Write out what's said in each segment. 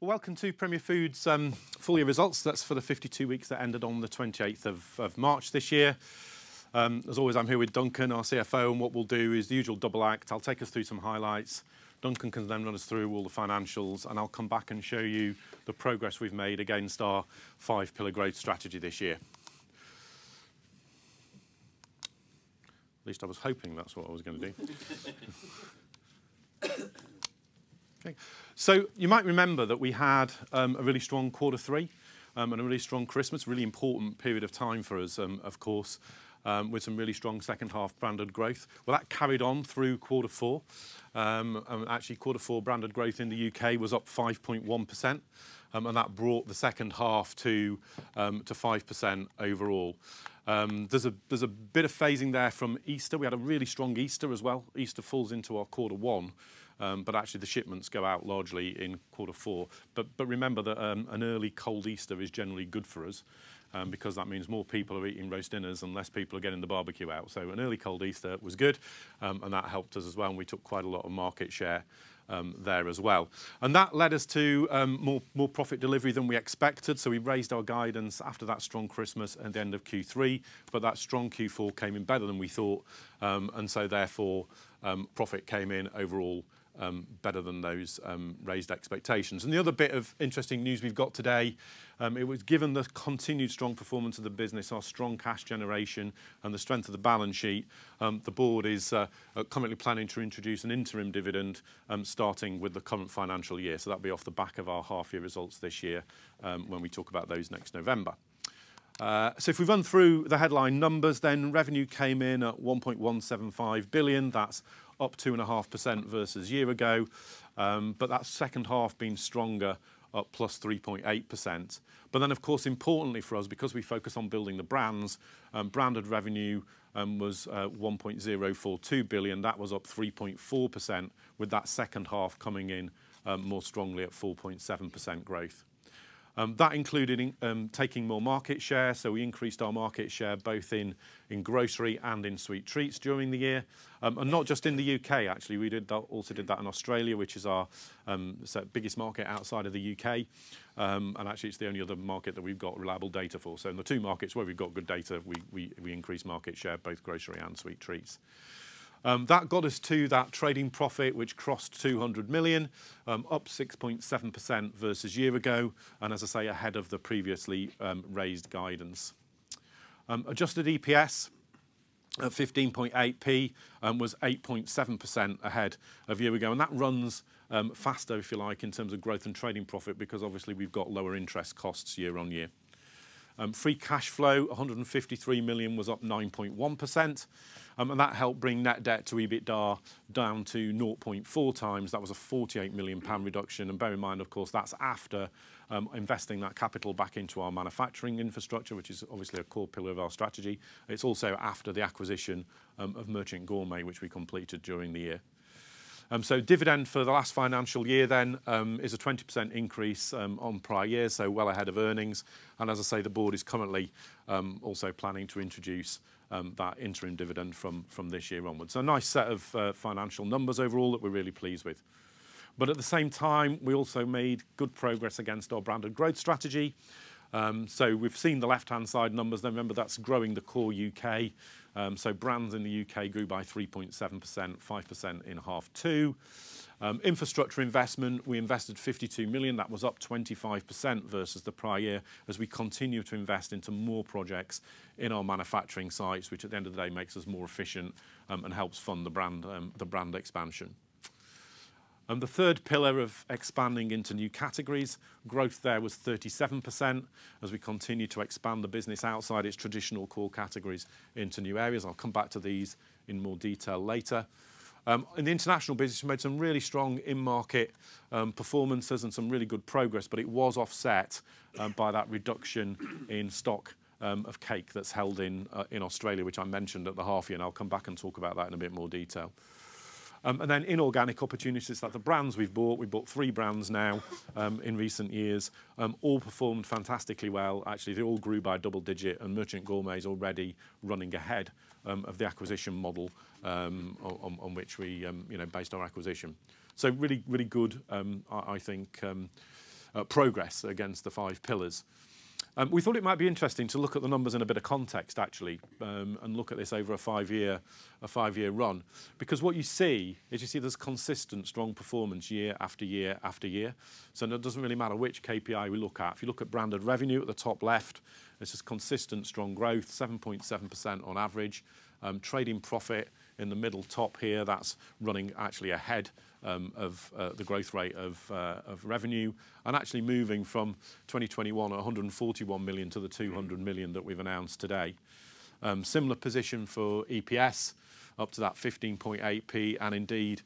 Well, welcome to Premier Foods full year results. That's for the 52 weeks that ended on the 28th of March this year. As always, I'm here with Duncan, our CFO, and what we'll do is the usual double act. I'll take us through some highlights. Duncan can then run us through all the financials, and I'll come back and show you the progress we've made against our 5-pillar growth strategy this year. At least I was hoping that's what I was gonna do. Okay. You might remember that we had a really strong quarter three, and a really strong Christmas, really important period of time for us, of course, with some really strong second half branded growth. Well, that carried on through quarter four. Actually quarter 4 branded growth in the U.K. was up 5.1%, and that brought the second half to 5% overall. There's a bit of phasing there from Easter. We had a really strong Easter as well. Easter falls into our quarter 1, actually the shipments go out largely in quarter 4. Remember that an early cold Easter is generally good for us because that means more people are eating roast dinners and less people are getting the barbecue out. An early cold Easter was good, that helped us as well, and we took quite a lot of market share there as well. That led us to more profit delivery than we expected. We raised our guidance after that strong Christmas at the end of Q3, but that strong Q4 came in better than we thought. Therefore, profit came in overall better than those raised expectations. The other bit of interesting news we've got today, it was given the continued strong performance of the business, our strong cash generation and the strength of the balance sheet, the board is currently planning to introduce an interim dividend, starting with the current financial year. That'll be off the back of our half year results this year, when we talk about those next November. If we run through the headline numbers, revenue came in at 1.175 billion. That's up 2.5% versus year ago. That second half being stronger, up plus 3.8%. Of course, importantly for us, because we focus on building the brands, branded revenue was 1.042 billion. That was up 3.4% with that second half coming in more strongly at 4.7% growth. That included taking more market share. We increased our market share both in grocery and in sweet treats during the year. Not just in the U.K. actually, we also did that in Australia, which is our sort of biggest market outside of the U.K. Actually it's the only other market that we've got reliable data for. In the two markets where we've got good data, we increased market share, both grocery and sweet treats. That got us to that trading profit, which crossed 200 million, up 6.7% versus year ago, and as I say, ahead of the previously raised guidance. Adjusted EPS at 0.158 was 8.7% ahead of year ago. That runs faster, if you like, in terms of growth and trading profit because obviously we've got lower interest costs year on year. Free cash flow, 153 million was up 9.1%. That helped bring net debt to EBITDA down to 0.4 times. That was a 48 million pound reduction. Bear in mind, of course, that's after investing that capital back into our manufacturing infrastructure, which is obviously a core pillar of our strategy. It's also after the acquisition of Merchant Gourmet, which we completed during the year. Dividend for the last financial year then, is a 20% increase on prior year, so well ahead of earnings. As I say, the board is currently also planning to introduce that interim dividend from this year onwards. A nice set of financial numbers overall that we're really pleased with. At the same time, we also made good progress against our branded growth strategy. We've seen the left-hand side numbers. Now remember, that's growing the core U.K. Brands in the U.K. grew by 3.7%, 5% in half two. Infrastructure investment, we invested 52 million. That was up 25% versus the prior year as we continue to invest into more projects in our manufacturing sites, which at the end of the day, makes us more efficient and helps fund the brand, the brand expansion. The third pillar of expanding into new categories, growth there was 37% as we continue to expand the business outside its traditional core categories into new areas. I'll come back to these in more detail later. In the international business, we made some really strong in-market performances and some really good progress, but it was offset by that reduction in stock of cake that's held in Australia, which I mentioned at the half year, and I'll come back and talk about that in a bit more detail. Then inorganic opportunities like the brands we've bought. We've bought three brands now in recent years. All performed fantastically well. Actually, they all grew by double digit. Merchant Gourmet is already running ahead of the acquisition model on which we, you know, based our acquisition. Really, really good, I think, progress against the five pillars. We thought it might be interesting to look at the numbers in a bit of context actually, and look at this over a five-year run because what you see is you see this consistent strong performance year after year after year. It doesn't really matter which KPI we look at. If you look at branded revenue at the top left, this is consistent strong growth, 7.7% on average. Trading profit in the middle top here, that's running actually ahead of the growth rate of revenue, and actually moving from 2021 141 million to the 200 million that we've announced today. Similar position for EPS up to that 15.8p and indeed,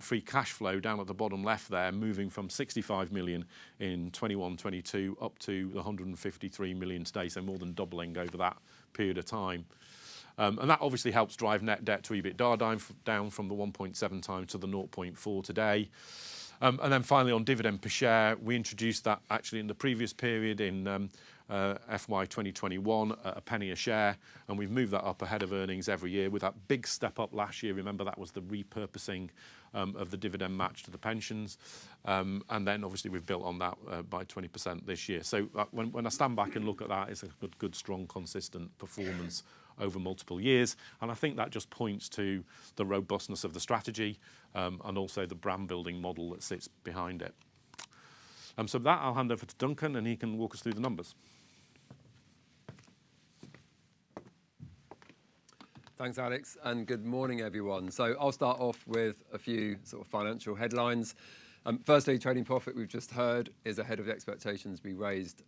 free cash flow down at the bottom left there, moving from 65 million in 2021, 2022 up to 153 million today, so more than doubling over that period of time. And that obviously helps drive net debt to EBITDA down from the 1.7x to the 0.4 today. Finally on dividend per share, we introduced that actually in the previous period in FY 2021, a GBP 0.01 a share, and we've moved that up ahead of earnings every year with that big step up last year. Remember, that was the repurposing of the dividend match to the pensions. Obviously we've built on that by 20% this year. When I stand back and look at that, it's a good, strong, consistent performance over multiple years, and I think that just points to the robustness of the strategy and also the brand building model that sits behind it. With that, I'll hand over to Duncan and he can walk us through the numbers. Thanks, Alex. Good morning everyone. I'll start off with a few sort of financial headlines. Firstly, trading profit we've just heard is ahead of the expectations we raised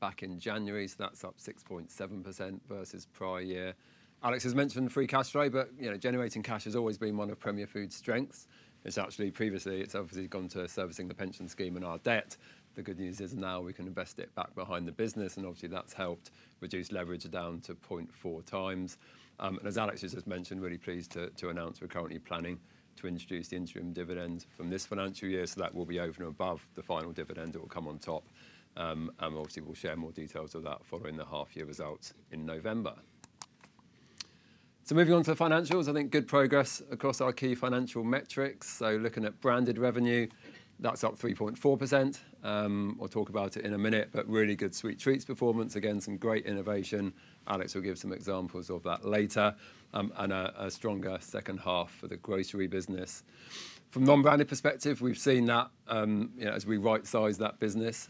back in January. That's up 6.7% versus prior year. Alex has mentioned free cash flow, but, you know, generating cash has always been one of Premier Foods's strengths. It's actually previously, it's obviously gone to servicing the pension scheme and our debt. The good news is now we can invest it back behind the business and obviously that's helped reduce leverage down to 0.4x. As Alex just mentioned, really pleased to announce we're currently planning to introduce the interim dividend from this financial year, so that will be over and above the final dividend. It will come on top. Obviously we'll share more details of that following the half year results in November. Moving on to financials, I think good progress across our key financial metrics. Looking at branded revenue, that's up 3.4%. We'll talk about it in a minute, but really good sweet treats performance. Again, some great innovation. Alex will give some examples of that later. A stronger second half for the grocery business. From non-branded perspective, we've seen that, you know, as we right-size that business,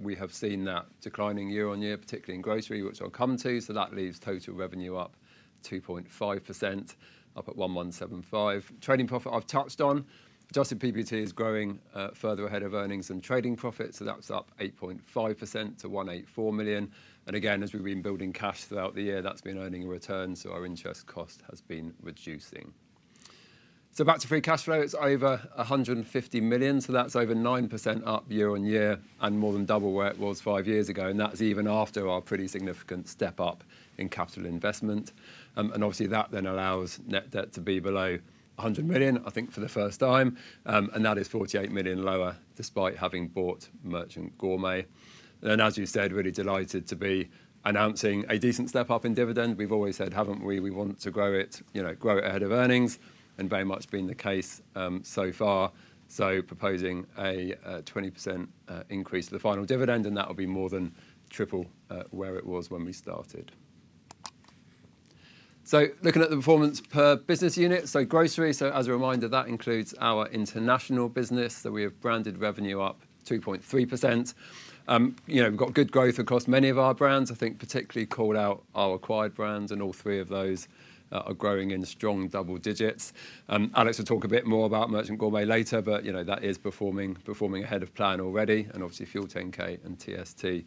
we have seen that declining year-over-year, particularly in grocery, which I'll come to. That leaves total revenue up 2.5%, up at 1,175. Trading profit I've touched on. Adjusted PBT is growing further ahead of earnings and trading profit, so that's up 8.5% to 184 million. Again, as we've been building cash throughout the year, that's been earning a return. Our interest cost has been reducing. Back to free cash flow. It's over 150 million, that's over 9% up year-on-year and more than double where it was 5 years ago, that's even after our pretty significant step up in capital investment. Obviously that allows net debt to be below 100 million, I think for the first time. That is 48 million lower despite having bought Merchant Gourmet. As you said, really delighted to be announcing a decent step up in dividend. We've always said, haven't we? We want to grow it, you know, grow it ahead of earnings very much been the case so far. Proposing a 20% increase to the final dividend, and that will be more than triple where it was when we started. Looking at the performance per business unit. Grocery, as a reminder, that includes our international business, that we have branded revenue up 2.3%. You know, we've got good growth across many of our brands. I think particularly called out our acquired brands and all three of those are growing in strong double digits. Alex will talk a bit more about Merchant Gourmet later, but you know, that is performing ahead of plan already and obviously FUEL10K and TST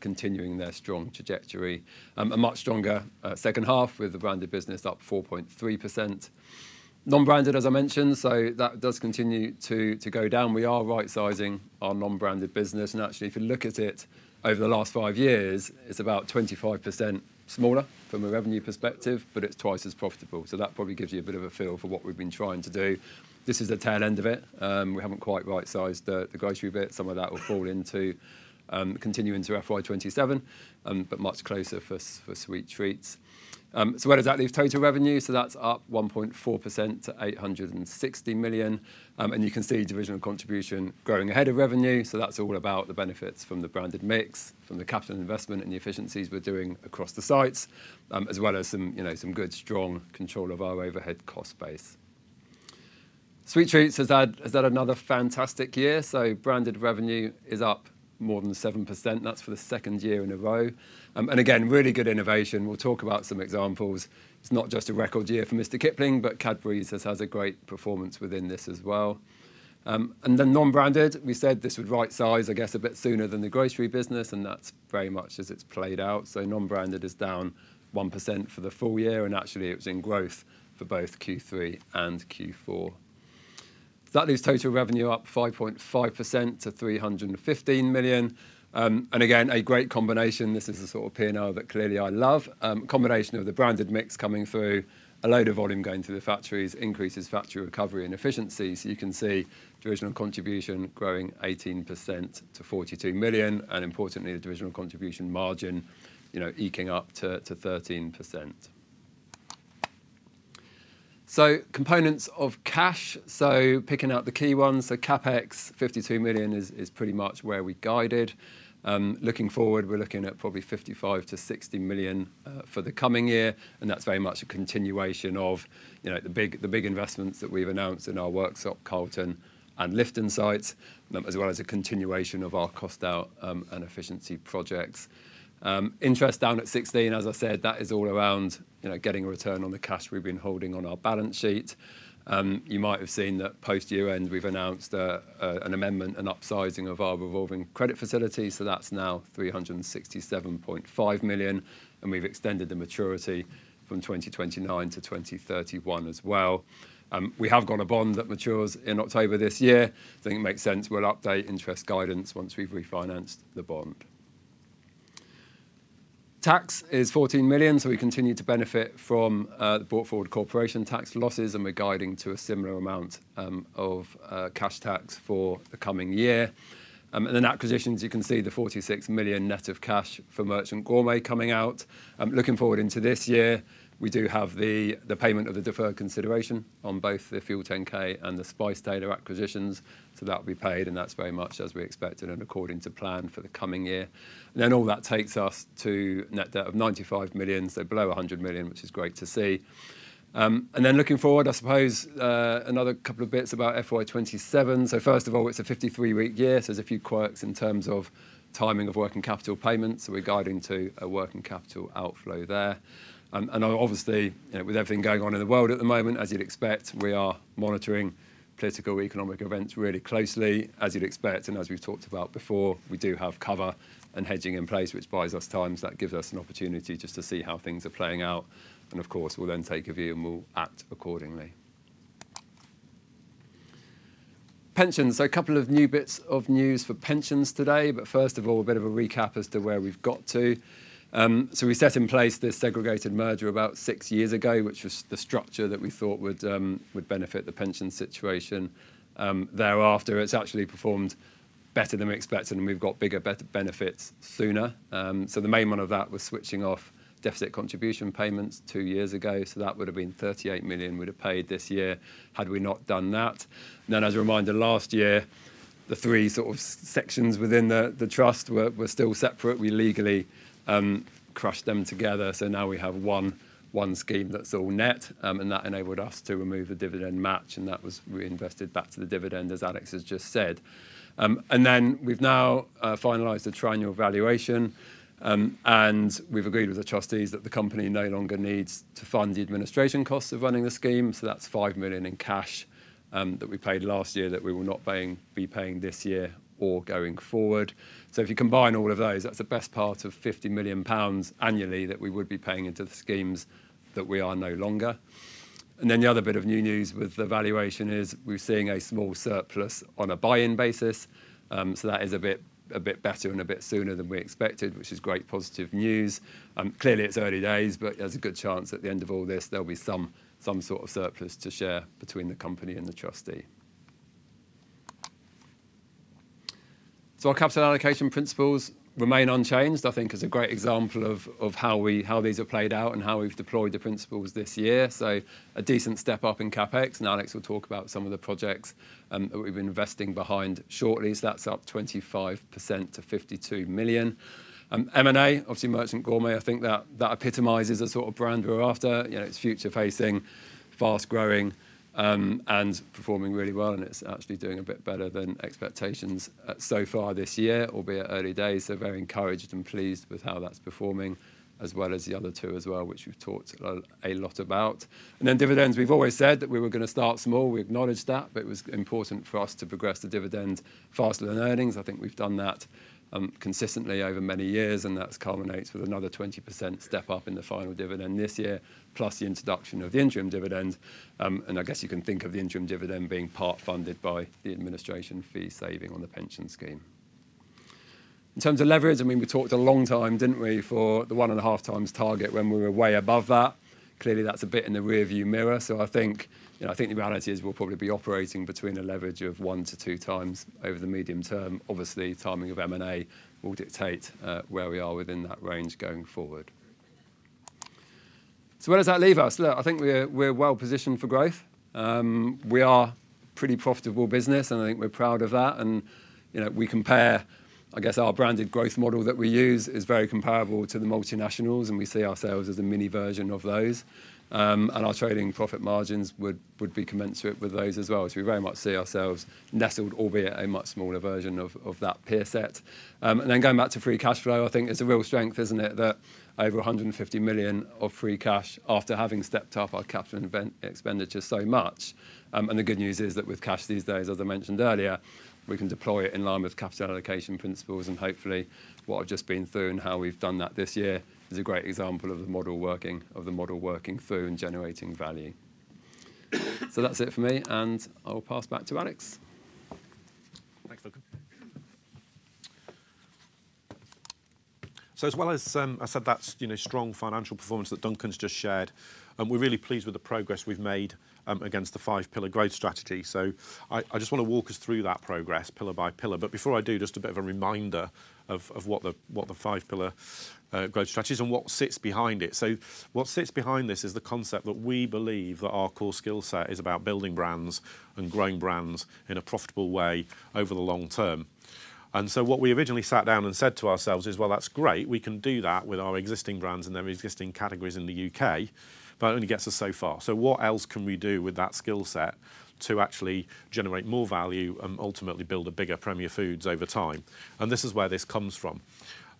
continuing their strong trajectory. A much stronger second half with the branded business up 4.3%. Non-branded, as I mentioned, that does continue to go down. We are rightsizing our non-branded business and actually if you look at it over the last five years, it's about 25% smaller from a revenue perspective, but it's twice as profitable. That probably gives you a bit of a feel for what we've been trying to do. This is the tail end of it. We haven't quite rightsized the grocery bit. Some of that will fall into continue into FY 2027, but much closer for sweet treats. Where does that leave total revenue? That's up 1.4% to 860 million. You can see divisional contribution growing ahead of revenue. That's all about the benefits from the branded mix, from the capital investment and the efficiencies we're doing across the sites, as well as some, you know, some good strong control of our overhead cost base. Sweet treats has had another fantastic year. Branded revenue is up more than 7%. That's for the second year in a row. Again, really good innovation. We'll talk about some examples. It's not just a record year for Mr Kipling, but Cadbury's has a great performance within this as well. Non-branded, we said this would right size, I guess, a bit sooner than the grocery business, and that's very much as it's played out. Non-branded is down 1% for the full year, and actually it was in growth for both Q3 and Q4. That leaves total revenue up 5.5% to 315 million. Again, a great combination. This is the sort of P&L that clearly I love. Combination of the branded mix coming through, a load of volume going through the factories increases factory recovery and efficiency. You can see divisional contribution growing 18% to 42 million, and importantly, the divisional contribution margin, you know, eking up to 13%. Components of cash. Picking out the key ones. CapEx, 52 million is pretty much where we guided. Looking forward, we're looking at probably 55 million-60 million for the coming year, and that's very much a continuation of, you know, the big investments that we've announced in our Worksop, Carlton and Lifton sites, as well as a continuation of our cost out and efficiency projects. Interest down at 16. As I said, that is all around, you know, getting a return on the cash we've been holding on our balance sheet. You might have seen that post year-end, we've announced an amendment, an upsizing of our revolving credit facility, so that's now 367.5 million, and we've extended the maturity from 2029 to 2031 as well. It makes sense we'll update interest guidance once we've refinanced the bond. Tax is 14 million, so we continue to benefit from the brought forward corporation tax losses, and we're guiding to a similar amount of cash tax for the coming year. Acquisitions, you can see the 46 million net of cash for Merchant Gourmet coming out. Looking forward into this year, we do have the payment of the deferred consideration on both the FUEL10K and Spice Tailor acquisitions, so that will be paid, and that's very much as we expected and according to plan for the coming year. All that takes us to net debt of 95 million, so below 100 million, which is great to see. Looking forward, I suppose, another couple of bits about FY 2027. First of all, it's a 53-week year, so there's a few quirks in terms of timing of working capital payments. Obviously, you know, with everything going on in the world at the moment, as you'd expect, we are monitoring political economic events really closely. As you'd expect and as we've talked about before, we do have cover and hedging in place, which buys us time. That gives us an opportunity just to see how things are playing out, and of course, we'll then take a view, and we'll act accordingly. Pensions 2 new bits of news for pensions today. First of all, a bit of a recap as to where we've got to. We set in place this segregated merger about six years ago, which was the structure that we thought would benefit the pension situation. Thereafter, it's actually performed better than we expected, and we've got bigger benefits sooner. The main one of that was switching off deficit contribution payments two years ago. That would have been 38 million we'd have paid this year had we not done that. As a reminder, last year, the three sort of sections within the trust were still separate. We legally crushed them together. Now we have one scheme that's all net, and that enabled us to remove the dividend match, and that was reinvested back to the dividend, as Alex has just said. We've now finalized the triennial valuation, and we've agreed with the trustees that the company no longer needs to fund the administration costs of running the scheme. That's 5 million in cash that we paid last year that we will not be paying this year or going forward. If you combine all of those, that's the best part of 50 million pounds annually that we would be paying into the schemes that we are no longer. The other bit of new news with the valuation is we're seeing a small surplus on a buy-in basis. That is a bit better and a bit sooner than we expected, which is great positive news. Clearly it's early days, but there's a good chance at the end of all this there'll be some sort of surplus to share between the company and the trustee. Our capital allocation principles remain unchanged. I think it's a great example of how these have played out and how we've deployed the principles this year. A decent step up in CapEx, and Alex will talk about some of the projects that we've been investing behind shortly. That's up 25% to 52 million. M&A, obviously Merchant Gourmet, I think that epitomizes the sort of brand we're after. You know, it's future facing, fast growing, and performing really well, and it's actually doing a bit better than expectations so far this year, albeit early days. Very encouraged and pleased with how that's performing, as well as the other two as well, which we've talked a lot about. Dividends, we've always said that we were gonna start small. We acknowledged that, but it was important for us to progress the dividend faster than earnings. I think we've done that consistently over many years, and that culminates with another 20% step up in the final dividend this year, plus the introduction of the interim dividend. I guess you can think of the interim dividend being part funded by the administration fee saving on the pension scheme. In terms of leverage, I mean, we talked a long time, didn't we, for the 1.5x target when we were way above that. Clearly that's a bit in the rearview mirror. I think, you know, I think the reality is we'll probably be operating between a leverage of 1-2x over the medium term. Obviously, timing of M&A will dictate where we are within that range going forward. Where does that leave us? Look, I think we're well positioned for growth. We are pretty profitable business, and I think we're proud of that. You know, we compare, I guess our branded growth model that we use is very comparable to the multinationals, and we see ourselves as a mini version of those. Our trading profit margins would be commensurate with those as well. We very much see ourselves nestled, albeit a much smaller version of that peer set. Going back to free cash flow, I think it's a real strength, isn't it? That over 150 million of free cash after having stepped up our capital expenditure so much. The good news is that with cash these days, as I mentioned earlier, we can deploy it in line with capital allocation principles and hopefully what I've just been through and how we've done that this year is a great example of the model working through and generating value. That's it for me, and I will pass back to Alex. Thanks, Duncan. As well as, I said that's, you know, strong financial performance that Duncan's just shared, we're really pleased with the progress we've made against the 5-Pillar Growth Strategy. I just wanna walk us through that progress pillar by pillar. Before I do, just a bit of a reminder of what the 5-Pillar Growth Strategy is and what sits behind it. What sits behind this is the concept that we believe that our core skill set is about building brands and growing brands in a profitable way over the long term. What we originally sat down and said to ourselves is, "Well that's great. We can do that with our existing brands and their existing categories in the U.K., but it only gets us so far. What else can we do with that skill set to actually generate more value and ultimately build a bigger Premier Foods over time. This is where this comes from.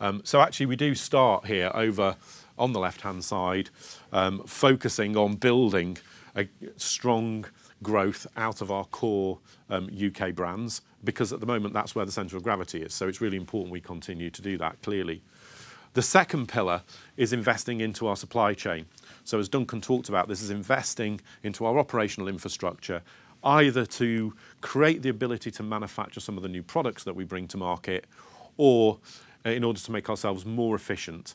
Actually, we do start here over on the left-hand side, focusing on building a strong growth out of our core U.K. brands because at the moment that's where the center of gravity is. It's really important we continue to do that clearly. The second pillar is investing into our supply chain. As Duncan talked about, this is investing into our operational infrastructure either to create the ability to manufacture some of the new products that we bring to market or, in order to make ourselves more efficient.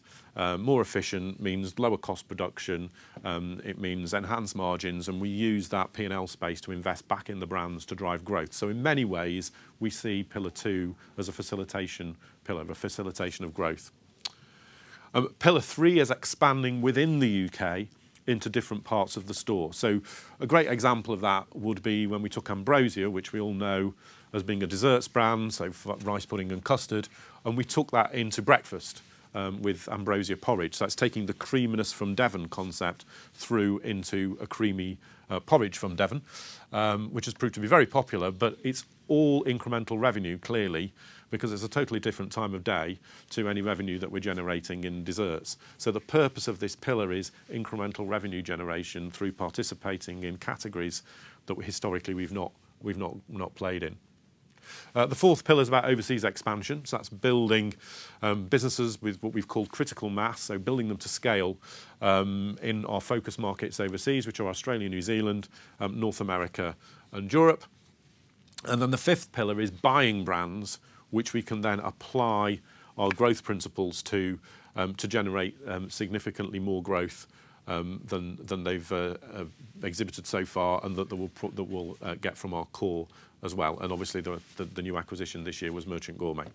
More efficient means lower cost production. It means enhanced margins, and we use that P&L space to invest back in the brands to drive growth. In many ways, we see Pillar 2 as a facilitation pillar, a facilitation of growth. Pillar 3 is expanding within the U.K. into different parts of the store. A great example of that would be when we took Ambrosia, which we all know as being a desserts brand, like rice pudding and custard, and we took that into breakfast with Ambrosia porridge. That's taking the creaminess from Devon concept through into a creamy porridge from Devon, which has proved to be very popular, but it's all incremental revenue clearly because it's a totally different time of day to any revenue that we're generating in desserts. The purpose of this pillar is incremental revenue generation through participating in categories that historically we've not played in. The fourth pillar is about overseas expansion, so that's building businesses with what we've called critical mass, so building them to scale in our focus markets overseas, which are Australia, New Zealand, North America and Europe. The fifth pillar is buying brands which we can then apply our growth principles to generate significantly more growth than they've exhibited so far, and that they will that will get from our core as well. Obviously the new acquisition this year was Merchant Gourmet.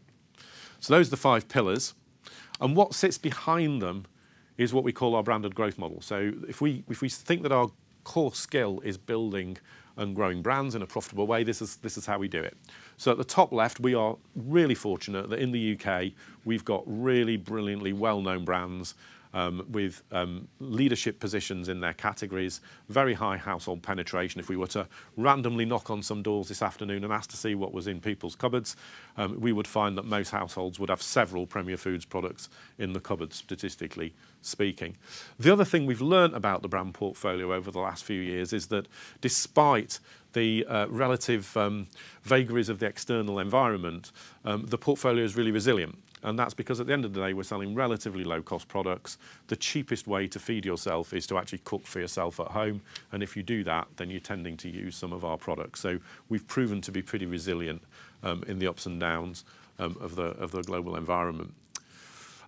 Those are the 5 Pillars, and what sits behind them is what we call our branded growth model. If we think that our core skill is building and growing brands in a profitable way, this is how we do it. At the top left, we are really fortunate that in the U.K. we've got really brilliantly well-known brands, with leadership positions in their categories, very high household penetration. If we were to randomly knock on some doors this afternoon and ask to see what was in people's cupboards, we would find that most households would have several Premier Foods products in the cupboards statistically speaking. The other thing we've learned about the brand portfolio over the last few years is that despite the relative vagaries of the external environment, the portfolio is really resilient, and that's because at the end of the day, we're selling relatively low-cost products. The cheapest way to feed yourself is to actually cook for yourself at home, and if you do that, then you're tending to use some of our products. We've proven to be pretty resilient in the ups and downs of the global environment.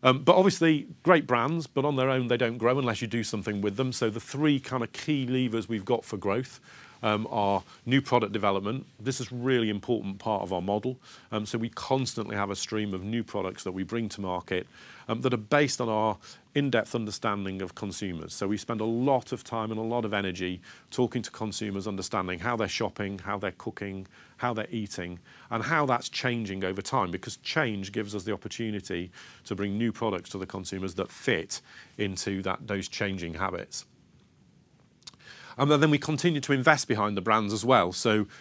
Obviously great brands, but on their own they don't grow unless you do something with them. The 3 kind of key levers we've got for growth are new product development. This is a really important part of our model. We constantly have a stream of new products that we bring to market that are based on our in-depth understanding of consumers. We spend a lot of time and a lot of energy talking to consumers, understanding how they're shopping, how they're cooking, how they're eating, and how that's changing over time because change gives us the opportunity to bring new products to the consumers that fit into that, those changing habits. Then we continue to invest behind the brands as well.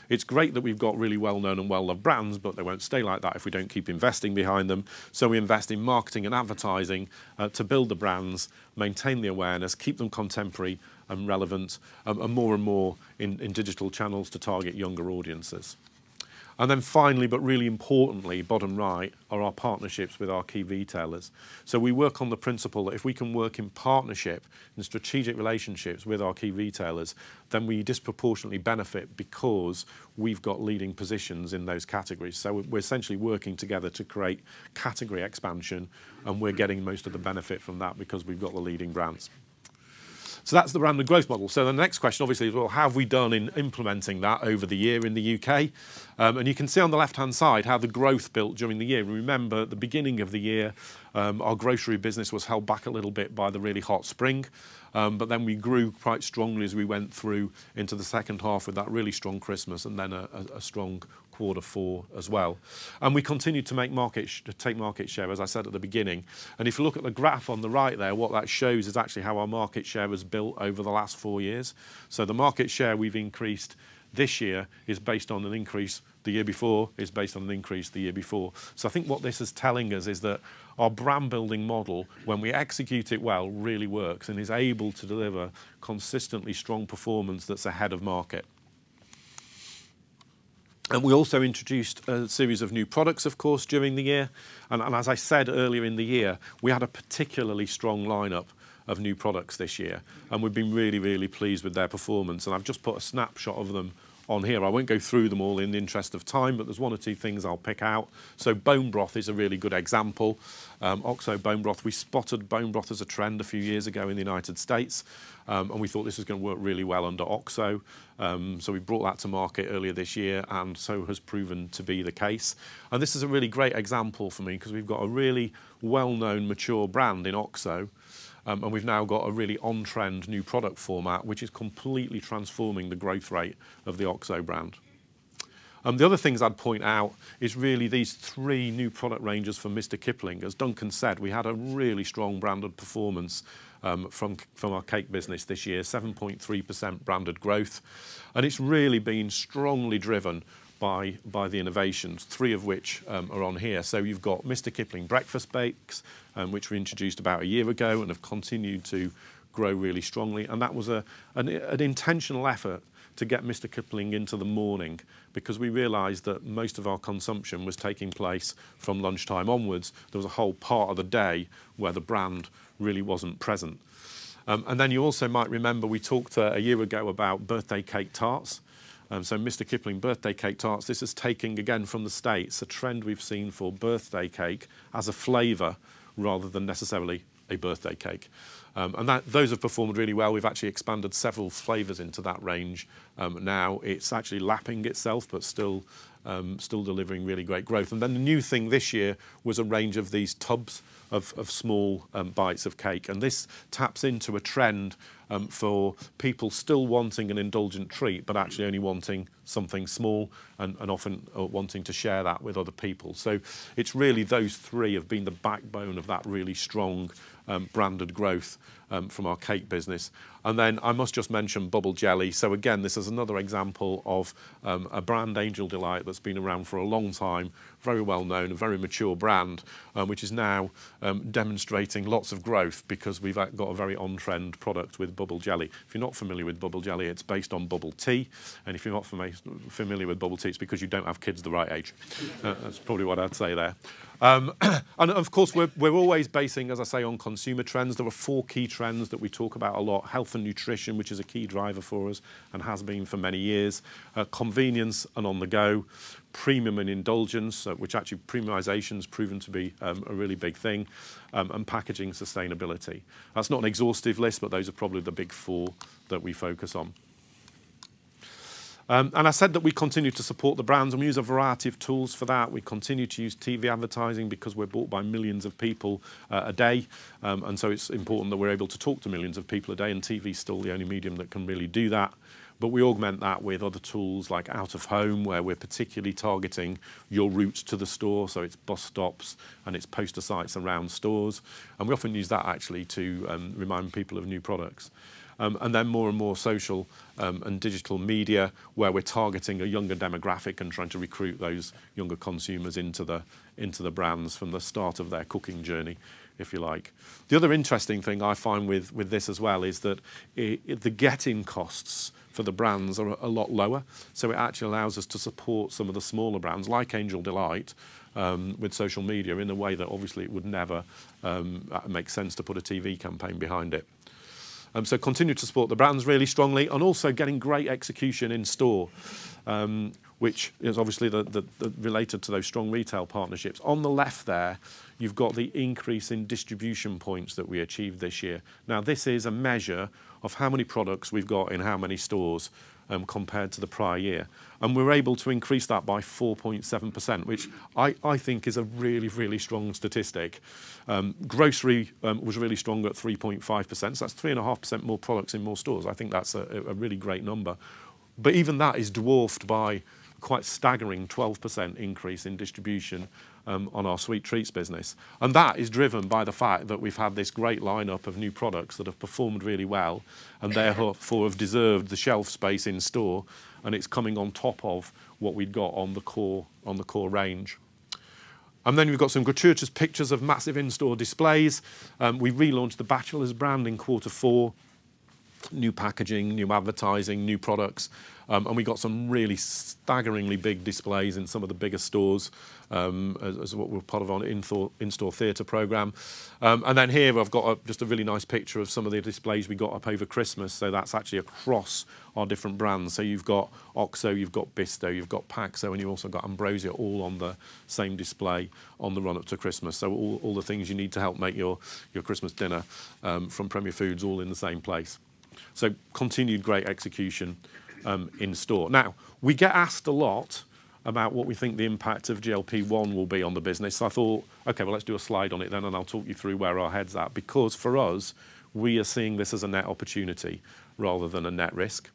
It's great that we've got really well-known and well-loved brands, but they won't stay like that if we don't keep investing behind them. We invest in marketing and advertising to build the brands, maintain the awareness, keep them contemporary and relevant, and more and more in digital channels to target younger audiences. Finally, but really importantly, bottom right are our partnerships with our key retailers. We work on the principle that if we can work in partnership and strategic relationships with our key retailers, then we disproportionately benefit because we've got leading positions in those categories. We're essentially working together to create category expansion, and we're getting most of the benefit from that because we've got the leading brands. That's the branded growth model. The next question obviously is, well, how have we done in implementing that over the year in the U.K.? You can see on the left-hand side how the growth built during the year. Remember, at the beginning of the year, our grocery business was held back a little bit by the really hot spring. We grew quite strongly as we went through into the second half with that really strong Christmas and a strong quarter four as well. We continued to take market share, as I said at the beginning. If you look at the graph on the right there, what that shows is actually how our market share was built over the last four years. The market share we've increased this year is based on an increase the year before, is based on an increase the year before. I think what this is telling us is that our brand-building model, when we execute it well, really works and is able to deliver consistently strong performance that's ahead of market. We also introduced a series of new products, of course, during the year, as I said earlier in the year, we had a particularly strong line-up of new products this year, and we've been pleased with their performance. I've just put a snapshot of them on here. I won't go through them all in the interest of time, but there's one or two things I'll pick out. Bone broth is a really good example. OXO bone broth. We spotted bone broth as a trend a few years ago in the United States, and we thought this was gonna work really well under OXO. We brought that to market earlier this year, and so has proven to be the case. This is a really great example for me because we've got a really well-known mature brand in OXO, and we've now got a really on-trend new product format, which is completely transforming the growth rate of the OXO brand. The other things I'd point out is really these three new product ranges for Mr. Kipling. As Duncan said, we had a really strong branded performance from our cake business this year, 7.3% branded growth, and it's really been strongly driven by the innovations, three of which are on here. You've got Mr Kipling Breakfast Bakes, which were introduced about a year ago and have continued to grow really strongly. That was an intentional effort to get Mr Kipling into the morning because we realized that most of our consumption was taking place from lunchtime onwards. There was a whole part of the day where the brand really wasn't present. You also might remember we talked a year ago about birthday cake tarts. Mr Kipling Birthday Cake Tarts, this is taking, again, from the States, a trend we've seen for birthday cake as a flavor rather than necessarily a birthday cake. Those have performed really well. We've actually expanded several flavors into that range. Now it's actually lapping itself, still delivering really great growth. The new thing this year was a range of these tubs of small Cake Bites, and this taps into a trend for people still wanting an indulgent treat but actually only wanting something small and often wanting to share that with other people. It's really those three have been the backbone of that really strong branded growth from our cake business. I must just mention Bubble Jelly. Again, this is another example of a brand, Angel Delight, that's been around for a long time. Very well known, a very mature brand, which is now demonstrating lots of growth because we've got a very on-trend product with Bubble Jelly. If you're not familiar with Bubble Jelly, it's based on bubble tea, and if you're not familiar with bubble tea, it's because you don't have kids the right age. That's probably what I'd say there. Of course, we're always basing, as I say, on consumer trends. There are four key trends that we talk about a lot. Health and nutrition, which is a key driver for us and has been for many years. Convenience and on the go, premium and indulgence, which actually premiumization's proven to be a really big thing, and packaging sustainability. That's not an exhaustive list, those are probably the big four that we focus on. I said that we continue to support the brands and we use a variety of tools for that. We continue to use TV advertising because we're bought by millions of people a day. It's important that we're able to talk to millions of people a day, and TV's still the only medium that can really do that. We augment that with other tools like out of home, where we're particularly targeting your routes to the store, so it's bus stops and it's poster sites around stores. We often use that actually to remind people of new products. More and more social and digital media, where we're targeting a younger demographic and trying to recruit those younger consumers into the, into the brands from the start of their cooking journey, if you like. The other interesting thing I find with this as well is that the getting costs for the brands are a lot lower, it actually allows us to support some of the smaller brands like Angel Delight with social media in a way that obviously it would never make sense to put a TV campaign behind it. Continue to support the brands really strongly and also getting great execution in store, which is obviously the related to those strong retail partnerships. On the left there, you've got the increase in distribution points that we achieved this year. This is a measure of how many products we've got in how many stores compared to the prior year. We're able to increase that by 4.7%, which I think is a really strong statistic. Grocery was really strong at 3.5%, that's 3.5% more products in more stores. I think that's a really great number. Even that is dwarfed by quite staggering 12% increase in distribution on our sweet treats business. That is driven by the fact that we've had this great lineup of new products that have performed really well and therefore have deserved the shelf space in store, and it's coming on top of what we'd got on the core range. We've got some gratuitous pictures of massive in-store displays. We relaunched the Batchelors brand in Q4, new packaging, new advertising, new products, and we got some really staggeringly big displays in some of the bigger stores as what were part of our in-store theater program. Then here I've got a just a really nice picture of some of the displays we got up over Christmas, so that's actually across our different brands. You've got OXO, you've got Bisto, you've got Paxo, and you've also got Ambrosia all on the same display on the run-up to Christmas. All the things you need to help make your Christmas dinner from Premier Foods all in the same place. Continued great execution in store. We get asked a lot about what we think the impact of GLP-1 will be on the business. I thought, "Okay, well let's do a slide on it then, and I'll talk you through where our head's at." For us, we are seeing this as a net opportunity rather than a net risk.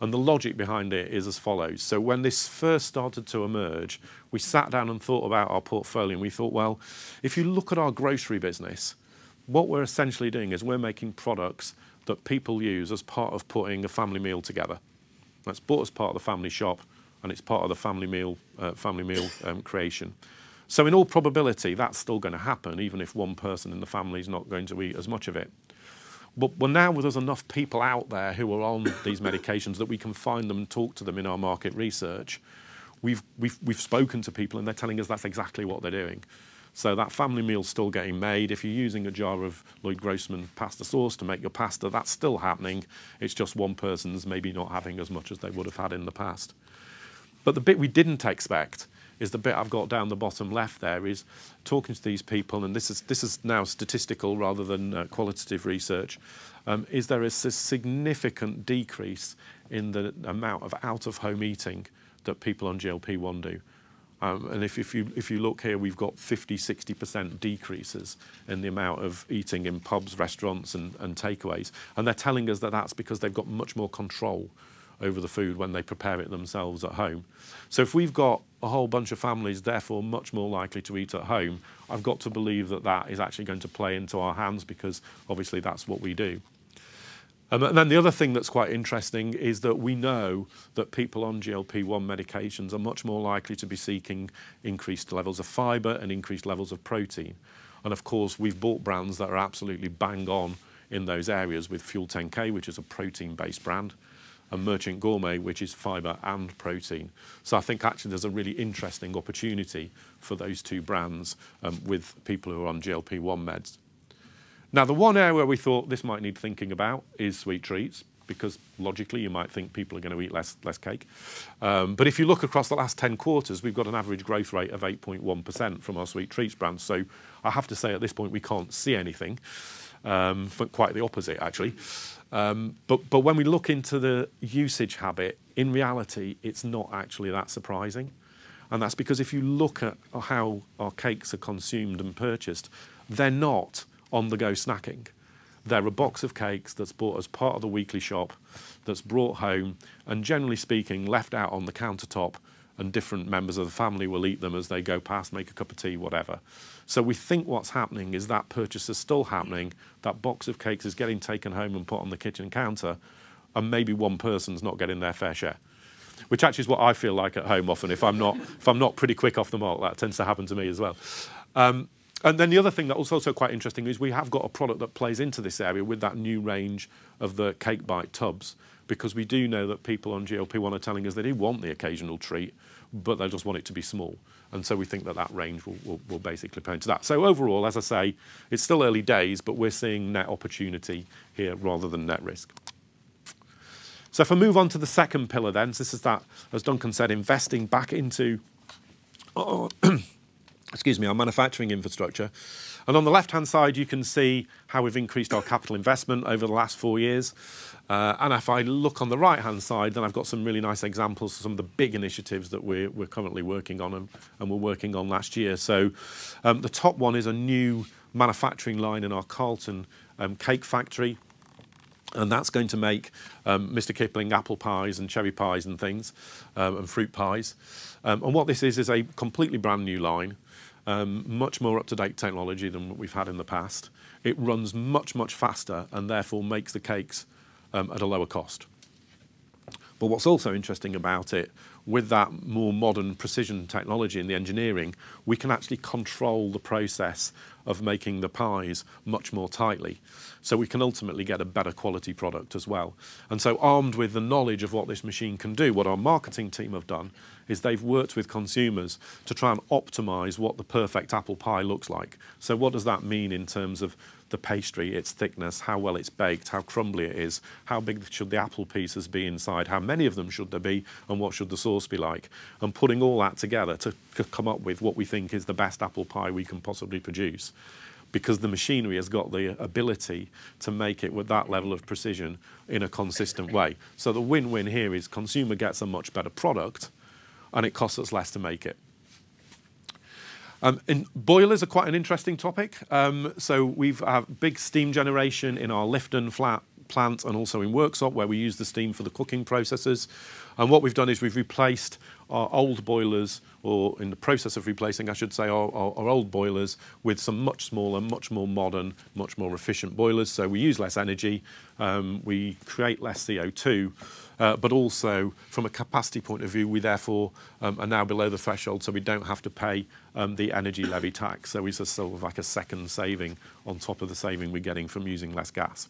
The logic behind it is as follows. When this first started to emerge, we sat down and thought about our portfolio, and we thought, well, if you look at our grocery business, what we're essentially doing is we're making products that people use as part of putting a family meal together. That's bought as part of the family shop, and it's part of the family meal creation. In all probability, that's still gonna happen even if one person in the family is not going to eat as much of it. Well now there's enough people out there who are on these medications that we can find them and talk to them in our market research. We've spoken to people, and they're telling us that's exactly what they're doing. That family meal's still getting made. If you're using a jar of Loyd Grossman pasta sauce to make your pasta, that's still happening. It's just one person's maybe not having as much as they would have had in the past. The bit we didn't expect is the bit I've got down the bottom left there, is talking to these people, and this is now statistical rather than qualitative research, is there is a significant decrease in the amount of out-of-home eating that people on GLP-1 do. If you look here, we've got 50%, 60% decreases in the amount of eating in pubs, restaurants, and takeaways. They're telling us that that's because they've got much more control over the food when they prepare it themselves at home. If we've got a whole bunch of families therefore much more likely to eat at home, I've got to believe that that is actually going to play into our hands because obviously that's what we do. The other thing that's quite interesting is that we know that people on GLP-1 medications are much more likely to be seeking increased levels of fiber and increased levels of protein. Of course, we've bought brands that are absolutely bang on in those areas with FUEL10K, which is a protein-based brand, and Merchant Gourmet, which is fiber and protein. I think actually there's a really interesting opportunity for those two brands with people who are on GLP-1 meds. The one area we thought this might need thinking about is sweet treats, because logically, you might think people are gonna eat less cake. If you look across the last 10 quarters, we've got an average growth rate of 8.1% from our sweet treats brand. I have to say at this point, we can't see anything, but quite the opposite actually. When we look into the usage habit, in reality, it's not actually that surprising. That's because if you look at how our cakes are consumed and purchased, they're not on-the-go snacking. They're a box of cakes that's bought as part of the weekly shop, that's brought home, and generally speaking, left out on the countertop, and different members of the family will eat them as they go past, make a cup of tea, whatever. We think what's happening is that purchase is still happening, that box of cakes is getting taken home and put on the kitchen counter, and maybe 1 person's not getting their fair share. Which actually is what I feel like at home often if I'm not, if I'm not pretty quick off the mark. That tends to happen to me as well. The other thing that was also quite interesting is we have got a product that plays into this area with that new range of the Cake Bite tubs, because we do know that people on GLP-1 are telling us they do want the occasional treat, but they just want it to be small. We think that that range will basically play into that. Overall, as I say, it is still early days, but we are seeing net opportunity here rather than net risk. If I move on to the second pillar, this is that, as Duncan said, investing back into, excuse me, our manufacturing infrastructure. On the left-hand side, you can see how we have increased our capital investment over the last 4 years. If I look on the right-hand side, I have got some really nice examples of some of the big initiatives that we are currently working on and were working on last year. The top one is a new manufacturing line in our Carlton cake factory, and that is going to make Mr Kipling apple pies and cherry pies and things and fruit pies. What this is is a completely brand-new line, much more up-to-date technology than what we've had in the past. It runs much faster and therefore makes the cakes at a lower cost. What's also interesting about it, with that more modern precision technology in the engineering, we can actually control the process of making the pies much more tightly, so we can ultimately get a better quality product as well. Armed with the knowledge of what this machine can do, what our marketing team have done is they've worked with consumers to try and optimize what the perfect apple pie looks like. What does that mean in terms of the pastry, its thickness, how well it is baked, how crumbly it is, how big should the apple pieces be inside, how many of them should there be, and what should the sauce be like? Putting all that together to come up with what we think is the best apple pie we can possibly produce because the machinery has got the ability to make it with that level of precision in a consistent way. The win-win here is consumer gets a much better product, and it costs us less to make it. Boilers are quite an interesting topic. We have big steam generation in our Lifton plant and also in Worksop where we use the steam for the cooking processes. What we've done is we've replaced our old boilers, or in the process of replacing I should say, our old boilers with some much smaller, much more modern, much more efficient boilers. We use less energy, we create less CO2, but also from a capacity point of view, we therefore are now below the threshold, so we don't have to pay the Energy Profits Levy. It's a sort of like a second saving on top of the saving we're getting from using less gas.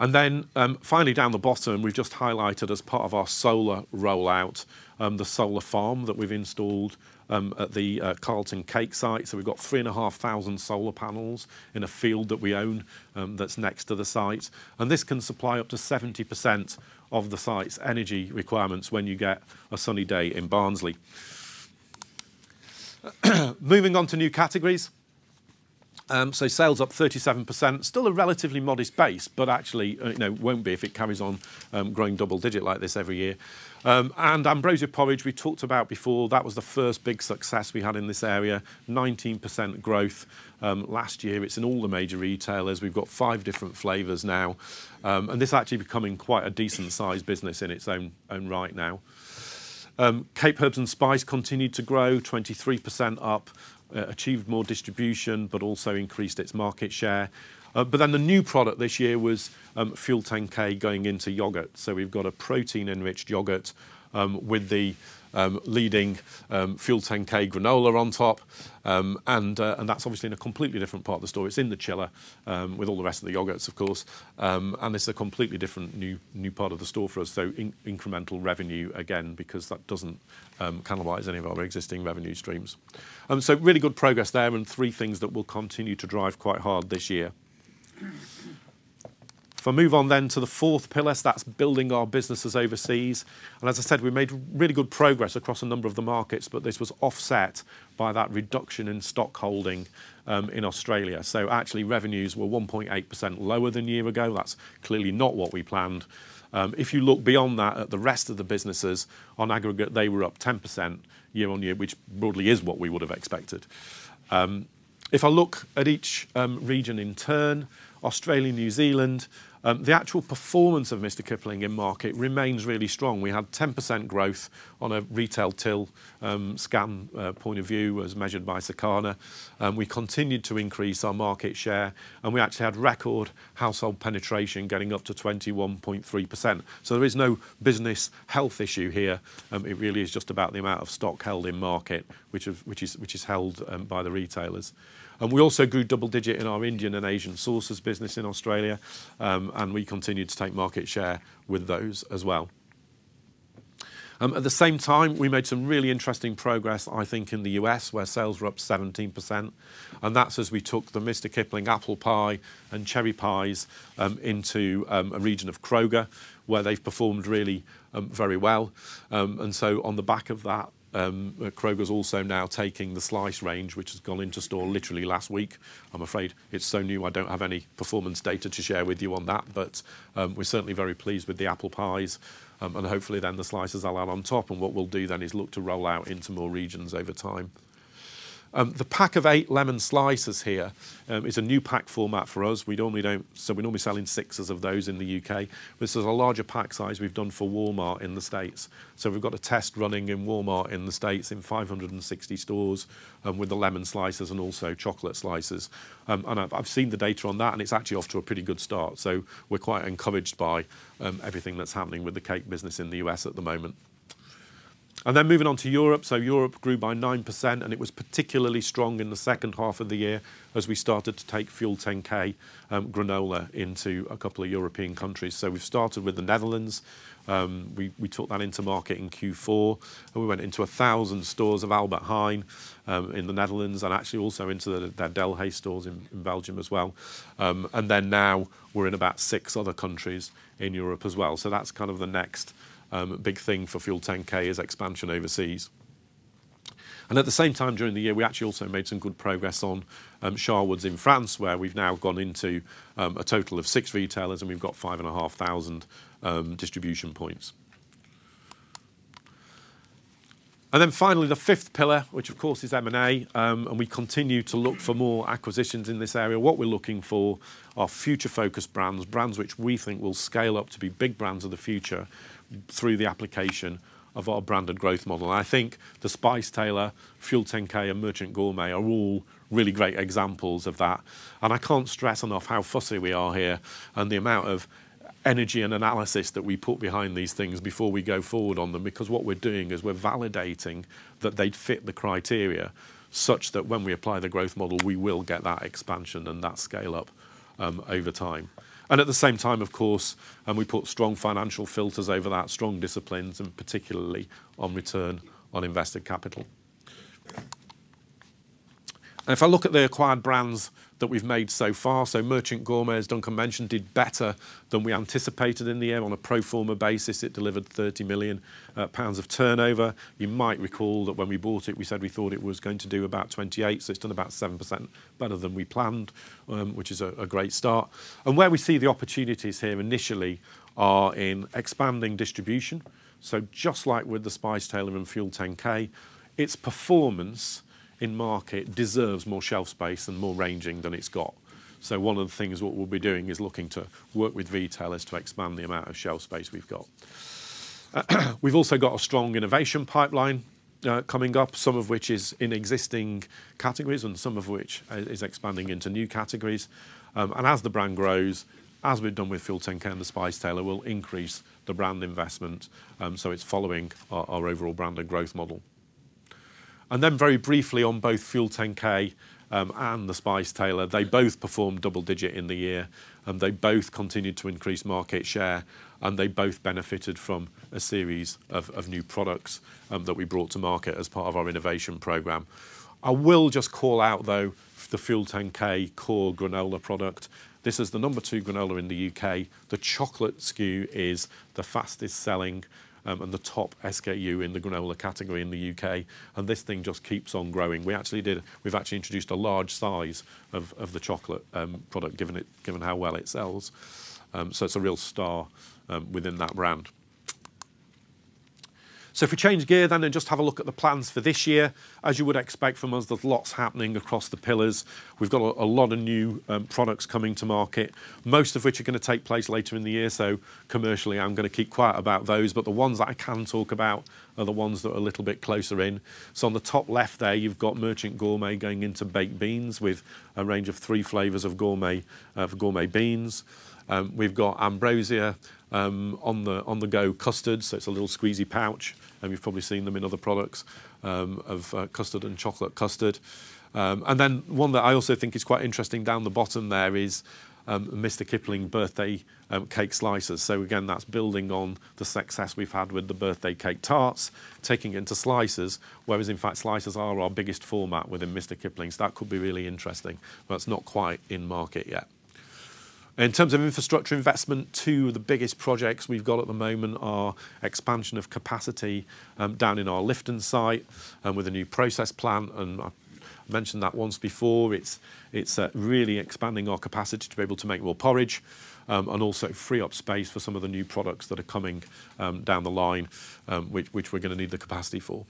Finally down the bottom, we've just highlighted as part of our solar rollout, the solar farm that we've installed at the Worksop site. We've got 3,500 solar panels in a field that we own, that's next to the site, and this can supply up to 70% of the site's energy requirements when you get a sunny day in Barnsley. Moving on to new categories. Sales up 37%. Still a relatively modest base, but actually, you know, won't be if it carries on growing double digit like this every year. Ambrosia porridge we talked about before. That was the first big success we had in this area. 19% growth last year. It's in all the major retailers. We've got five different flavors now. This actually becoming quite a decent size business in its own right now. Cape Herb & Spice continued to grow, 23% up. Achieved more distribution, also increased its market share. The new product this year was FUEL10K going into yogurt. We've got a protein-enriched yogurt with the leading FUEL10K granola on top. That's obviously in a completely different part of the store. It's in the chiller with all the rest of the yogurts, of course. It's a completely different new part of the store for us, incremental revenue again because that doesn't cannibalize any of our existing revenue streams. Really good progress there and three things that we'll continue to drive quite hard this year. If I move on then to the fourth pillar, that's building our businesses overseas. As I said, we made really good progress across a number of the markets, but this was offset by that reduction in stock holding in Australia. Actually revenues were 1.8% lower than year ago. That's clearly not what we planned. If you look beyond that at the rest of the businesses, on aggregate, they were up 10% year on year, which broadly is what we would have expected. If I look at each region in turn, Australia, New Zealand, the actual performance of Mr Kipling in market remains really strong. We had 10% growth on a retail till scan point of view as measured by Circana. We continued to increase our market share, and we actually had record household penetration getting up to 21.3%. There is no business health issue here. It really is just about the amount of stock held in market which is held by the retailers. We also grew double-digit in our Indian and Asian sources business in Australia, and we continued to take market share with those as well. At the same time, we made some really interesting progress, I think, in the U.S., where sales were up 17%, and that's as we took the Mr Kipling apple pie and cherry pies into a region of Kroger, where they've performed really very well. On the back of that, Kroger's also now taking the slice range, which has gone into store literally last week. I'm afraid it's so new, I don't have any performance data to share with you on that. We're certainly very pleased with the apple pies, and hopefully then the slices will add on top. What we'll do then is look to roll out into more regions over time. The pack of eight lemon slices here is a new pack format for us. So we normally sell in 6s of those in the U.K. This is a larger pack size we've done for Walmart in the States. We've got a test running in Walmart in the States in 560 stores with the lemon slices and also chocolate slices. I've seen the data on that, and it's actually off to a pretty good start. We're quite encouraged by everything that's happening with the cake business in the U.S. at the moment. Then moving on to Europe. Europe grew by 9%, and it was particularly strong in the second half of the year as we started to take FUEL10K granola into a couple of European countries. We took that into market in Q4, and we went into 1,000 stores of Albert Heijn in the Netherlands and actually also into the Delhaize stores in Belgium as well. Now we're in about six other countries in Europe as well. That's kind of the next big thing for FUEL10K is expansion overseas. At the same time during the year, we actually also made some good progress on Sharwood's in France, where we've now gone into a total of six retailers, and we've got 5,500 distribution points. Finally, the 5th pillar, which of course is M&A, and we continue to look for more acquisitions in this area. What we're looking for are future-focused brands which we think will scale up to be big brands of the future through the application of our branded growth model. I think The Spice Tailor, FUEL10K, and Merchant Gourmet are all really great examples of that. I can't stress enough how fussy we are here and the amount of energy and analysis that we put behind these things before we go forward on them because what we're doing is we're validating that they fit the criteria such that when we apply the growth model, we will get that expansion and that scale up, over time. At the same time, of course, we put strong financial filters over that, strong disciplines, and particularly on return on invested capital. If I look at the acquired brands that we've made so far, Merchant Gourmet, as Duncan mentioned, did better than we anticipated in the year. On a pro forma basis, it delivered 30 million pounds of turnover. You might recall that when we bought it, we said we thought it was going to do about 28, so it's done about 7% better than we planned, which is a great start. Where we see the opportunities here initially are in expanding distribution. Just like with The Spice Tailor and FUEL10K, its performance in market deserves more shelf space and more ranging than it's got. One of the things what we'll be doing is looking to work with retailers to expand the amount of shelf space we've got. We've also got a strong innovation pipeline coming up, some of which is in existing categories and some of which is expanding into new categories. As the brand grows, as we've done with FUEL10K and The Spice Tailor, we'll increase the brand investment. It's following our overall brand and growth model. Very briefly on both FUEL10K and The Spice Tailor, they both performed double-digit in the year, they both continued to increase market share, and they both benefited from a series of new products that we brought to market as part of our innovation program. I will just call out, though, the FUEL10K core granola product. This is the number 2 granola in the U.K. The chocolate SKU is the fastest-selling, and the top SKU in the granola category in the U.K. This thing just keeps on growing. We've actually introduced a large size of the chocolate product, given how well it sells. It's a real star within that brand. If we change gear and just have a look at the plans for this year, as you would expect from us, there's lots happening across the pillars. We've got a lot of new products coming to market, most of which are gonna take place later in the year. Commercially, I'm gonna keep quiet about those. The ones that I can talk about are the ones that are a little bit closer in. On the top left there, you've got Merchant Gourmet going into baked beans with a range of three flavors of gourmet beans. We've got Ambrosia on-the-go custard, so it's a little squeezy pouch, and you've probably seen them in other products, of custard and chocolate custard. And then one that I also think is quite interesting down the bottom there is Mr Kipling Birthday Cake Slices. Again, that's building on the success we've had with the Birthday Cake Tarts, taking it into slices, whereas in fact, slices are our biggest format within Mr. Kipling's. That could be really interesting, but it's not quite in market yet. In terms of infrastructure investment, two of the biggest projects we've got at the moment are expansion of capacity down in our Lifton plant with a new process plant, and I've mentioned that 1 before. It's really expanding our capacity to be able to make more porridge and also free up space for some of the new products that are coming down the line, which we're going to need the capacity for.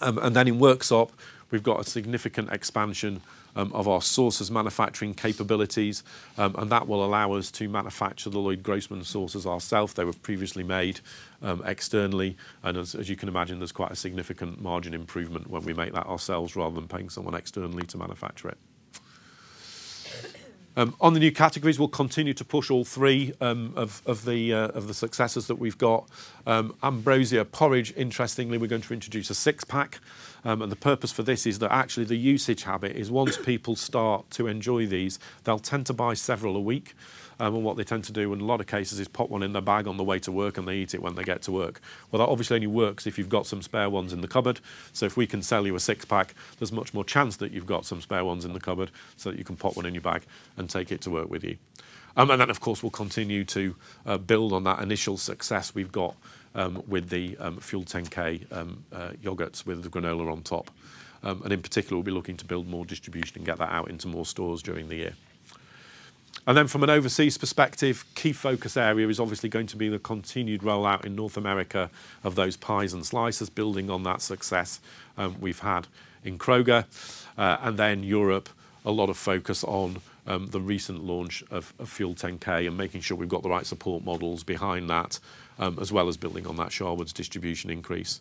Then in Worksop, we've got a significant expansion of our sauces manufacturing capabilities, and that will allow us to manufacture the Loyd Grossman sauces ourself. They were previously made externally. As you can imagine, there's quite a significant margin improvement when we make that ourselves rather than paying someone externally to manufacture it. On the new categories, we'll continue to push all three of the successes that we've got. Ambrosia porridge, interestingly, we're going to introduce a six-pack. The purpose for this is that actually the usage habit is once people start to enjoy these, they'll tend to buy several a week. What they tend to do in a lot of cases is pop one in their bag on the way to work, and they eat it when they get to work. Well, that obviously only works if you've got some spare ones in the cupboard. If we can sell you a six-pack, there's much more chance that you've got some spare ones in the cupboard so that you can pop one in your bag and take it to work with you. Then of course, we'll continue to build on that initial success we've got with the FUEL10K yogurts with the granola on top. In particular, we'll be looking to build more distribution and get that out into more stores during the year. Then from an overseas perspective, key focus area is obviously going to be the continued rollout in North America of those pies and slices, building on that success we've had in Kroger. Europe, a lot of focus on the recent launch of FUEL10K and making sure we've got the right support models behind that, as well as building on that Sharwood's distribution increase.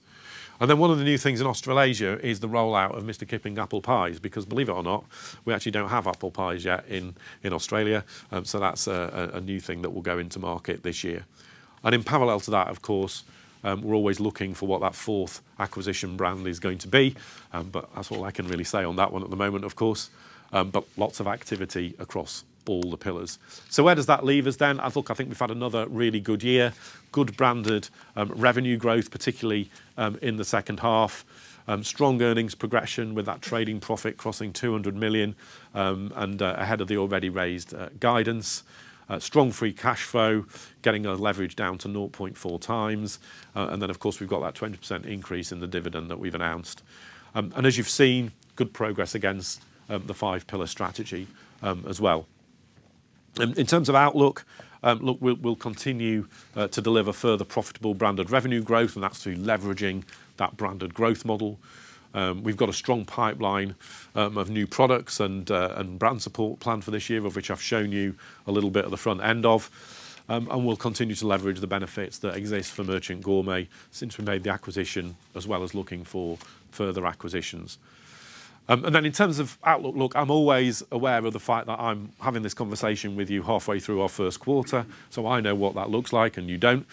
One of the new things in Australasia is the rollout of Mr Kipling apple pies, because believe it or not, we actually don't have apple pies yet in Australia. That's a new thing that will go into market this year. In parallel to that, of course, we're always looking for what that fourth acquisition brand is going to be. That's all I can really say on that one at the moment, of course. Lots of activity across all the pillars. Where does that leave us then? I think we've had another really good year, good branded revenue growth, particularly in the second half. Strong earnings progression with that trading profit crossing 200 million, and ahead of the already raised guidance. Strong free cash flow, getting our leverage down to 0.4x. Of course, we've got that 20% increase in the dividend that we've announced. As you've seen, good progress against the five-pillar strategy as well. In terms of outlook, look, we'll continue to deliver further profitable branded revenue growth, and that's through leveraging that branded growth model. We've got a strong pipeline of new products and brand support planned for this year, of which I've shown you a little bit of the front end of. We'll continue to leverage the benefits that exist for Merchant Gourmet since we made the acquisition, as well as looking for further acquisitions. Then in terms of outlook, look, I'm always aware of the fact that I'm having this conversation with you halfway through our first quarter, so I know what that looks like, and you don't.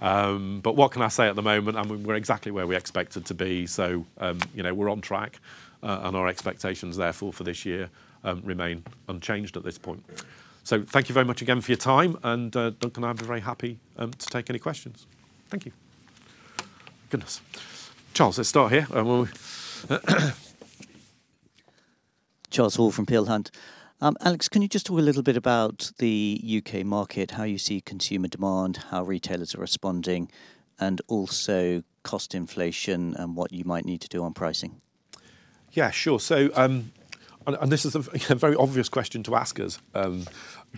What can I say at the moment? I mean, we're exactly where we expected to be, so, you know, we're on track. Our expectations therefore for this year, remain unchanged at this point. Thank you very much again for your time, and Duncan and I would be very happy to take any questions. Thank you. Goodness. Charles, let's start here. Charles Hall from Peel Hunt. Alex, can you just talk a little bit about the U.K. market, how you see consumer demand, how retailers are responding, and also cost inflation and what you might need to do on pricing? Yeah, sure. This is a very obvious question to ask us,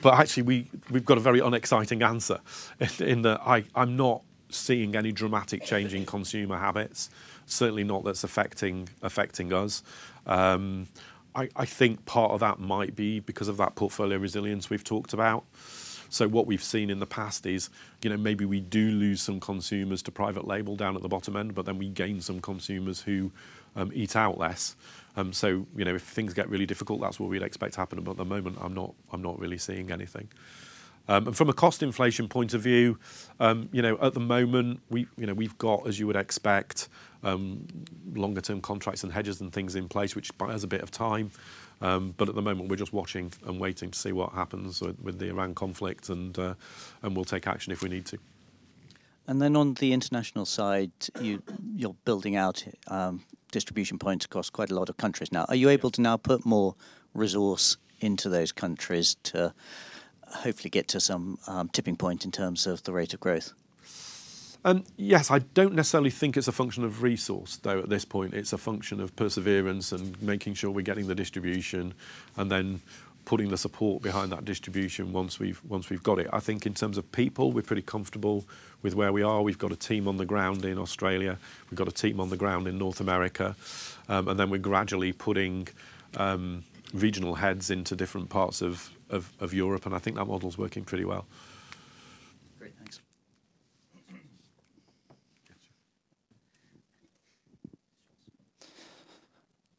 actually we've got a very unexciting answer in that I'm not seeing any dramatic change in consumer habits, certainly not that's affecting us. I think part of that might be because of that portfolio resilience we've talked about. What we've seen in the past is, you know, maybe we do lose some consumers to private label down at the bottom end, then we gain some consumers who eat out less. You know, if things get really difficult, that's what we'd expect to happen. At the moment, I'm not really seeing anything. From a cost inflation point of view, you know, at the moment, we, you know, we've got, as you would expect, longer term contracts and hedges and things in place, which buys a bit of time. At the moment, we're just watching and waiting to see what happens with the Iran conflict, and we'll take action if we need to. Then on the international side, you're building out distribution points across quite a lot of countries now. Are you able to now put more resource into those countries to hopefully get to some tipping point in terms of the rate of growth? Yes. I don't necessarily think it's a function of resource, though, at this point. It's a function of perseverance and making sure we're getting the distribution and then putting the support behind that distribution once we've got it. I think in terms of people, we're pretty comfortable with where we are. We've got a team on the ground in Australia. We've got a team on the ground in North America. Then we're gradually putting regional heads into different parts of Europe, and I think that model's working pretty well.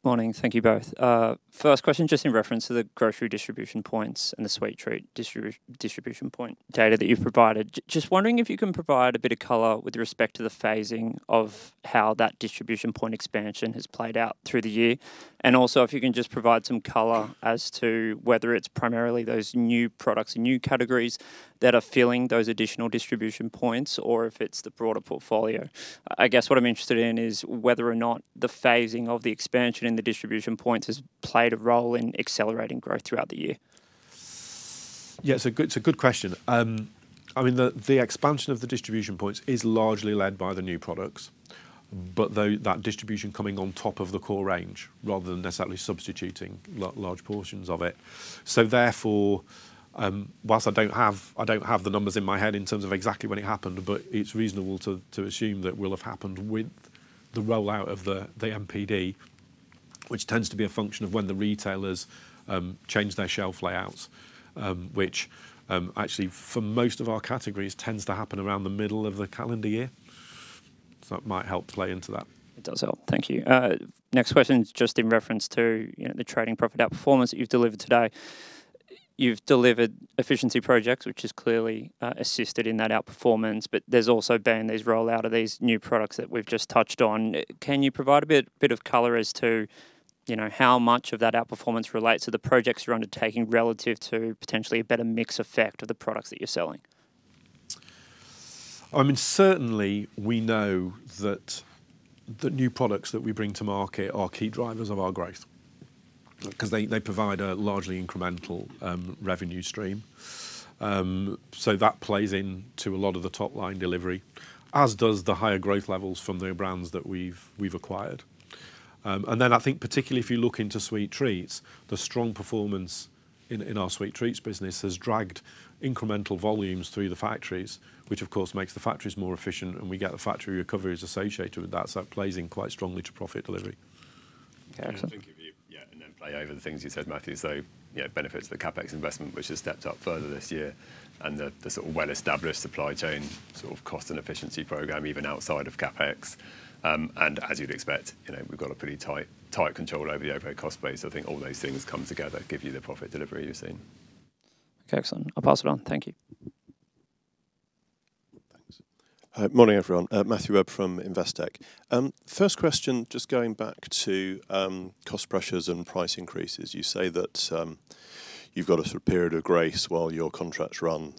Great. Thanks. Yeah, sure. Morning. Thank you both. First question, just in reference to the grocery distribution points and the sweet treat distribution point data that you've provided. Just wondering if you can provide a bit of color with respect to the phasing of how that distribution point expansion has played out through the year. Also, if you can just provide some color as to whether it's primarily those new products and new categories that are filling those additional distribution points or if it's the broader portfolio. I guess what I'm interested in is whether or not the phasing of the expansion in the distribution points has played a role in accelerating growth throughout the year. Yeah, it's a good question. I mean, the expansion of the distribution points is largely led by the new products, but though that distribution coming on top of the core range rather than necessarily substituting large portions of it. Therefore, whilst I don't have the numbers in my head in terms of exactly when it happened, but it's reasonable to assume that will have happened with the rollout of the NPD, which tends to be a function of when the retailers change their shelf layouts, which actually for most of our categories tends to happen around the middle of the calendar year. It might help play into that. It does help. Thank you. Next question, just in reference to, you know, the trading profit outperformance that you’ve delivered today. You’ve delivered efficiency projects, which has clearly assisted in that outperformance, but there’s also been these rollout of these new products that we’ve just touched on. Can you provide a bit of color as to, you know, how much of that outperformance relates to the projects you’re undertaking relative to potentially a better mix effect of the products that you’re selling? I mean, certainly we know that the new products that we bring to market are key drivers of our growth cause they provide a largely incremental revenue stream. That plays into a lot of the top line delivery, as does the higher growth levels from the brands that we've acquired. I think particularly if you look into sweet treats, the strong performance in our sweet treats business has dragged incremental volumes through the factories, which of course makes the factories more efficient and we get the factory recoveries associated with that, it plays in quite strongly to profit delivery. I think if you, yeah, and then play over the things you said, Matthew. You know, benefits of the CapEx investment, which has stepped up further this year, and the sort of well-established supply chain sort of cost and efficiency program, even outside of CapEx. As you'd expect, you know, we've got a pretty tight control over the overhead cost base. I think all those things come together, give you the profit delivery you're seeing. Okay. Excellent. I'll pass it on. Thank you. Thanks. Morning, everyone. Matthew Webb from Investec. First question, just going back to cost pressures and price increases. You say that you've got a sort of period of grace while your contracts run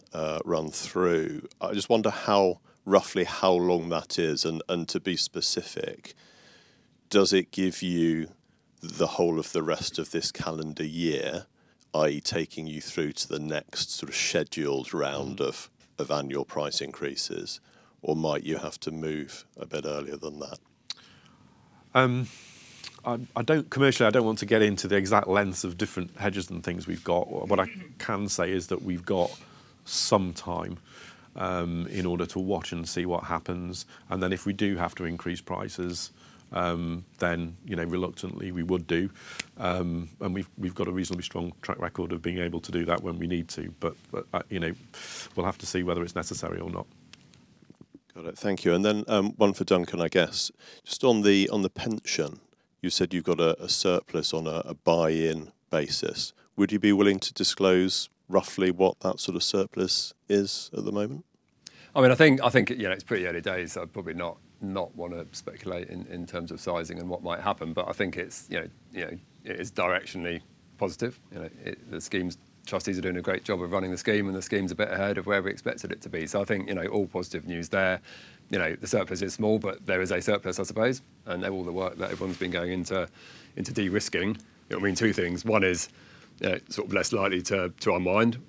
through. I just wonder how, roughly how long that is? To be specific, does it give you the whole of the rest of this calendar year, i.e., taking you through to the next sort of scheduled round of annual price increases, or might you have to move a bit earlier than that? Commercially, I don't want to get into the exact lengths of different hedges and things we've got. What I can say is that we've got some time in order to watch and see what happens. If we do have to increase prices, then, you know, reluctantly we would do. We've got a reasonably strong track record of being able to do that when we need to. You know, we'll have to see whether it's necessary or not. Got it. Thank you. One for Duncan, I guess. Just on the pension, you said you've got a surplus on a buy-in basis. Would you be willing to disclose roughly what that sort of surplus is at the moment? I mean, I think, you know, it's pretty early days. I'd probably not wanna speculate in terms of sizing and what might happen. I think, you know, The scheme's trustees are doing a great job of running the scheme, and the scheme's a bit ahead of where we expected it to be. I think, you know, all positive news there. You know, the surplus is small, but there is a surplus, I suppose. All the work that everyone's been going into de-risking, it'll mean two things. One is, you know, sort of less likely to unwind.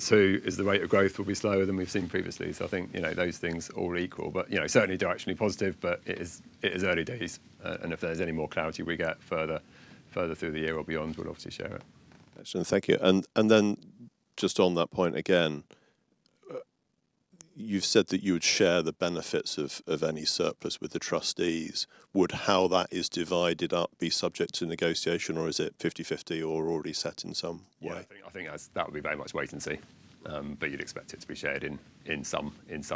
Two is the rate of growth will be slower than we've seen previously. I think, you know, those things all equal. You know, certainly directionally positive, it is early days. If there's any more clarity we get further through the year or beyond, we'll obviously share it. Excellent. Thank you. Just on that point again, you've said that you would share the benefits of any surplus with the trustees. Would how that is divided up be subject to negotiation, or is it 50/50 or already set in some way? Yeah, I think that would be very much wait and see. You'd expect it to be shared in some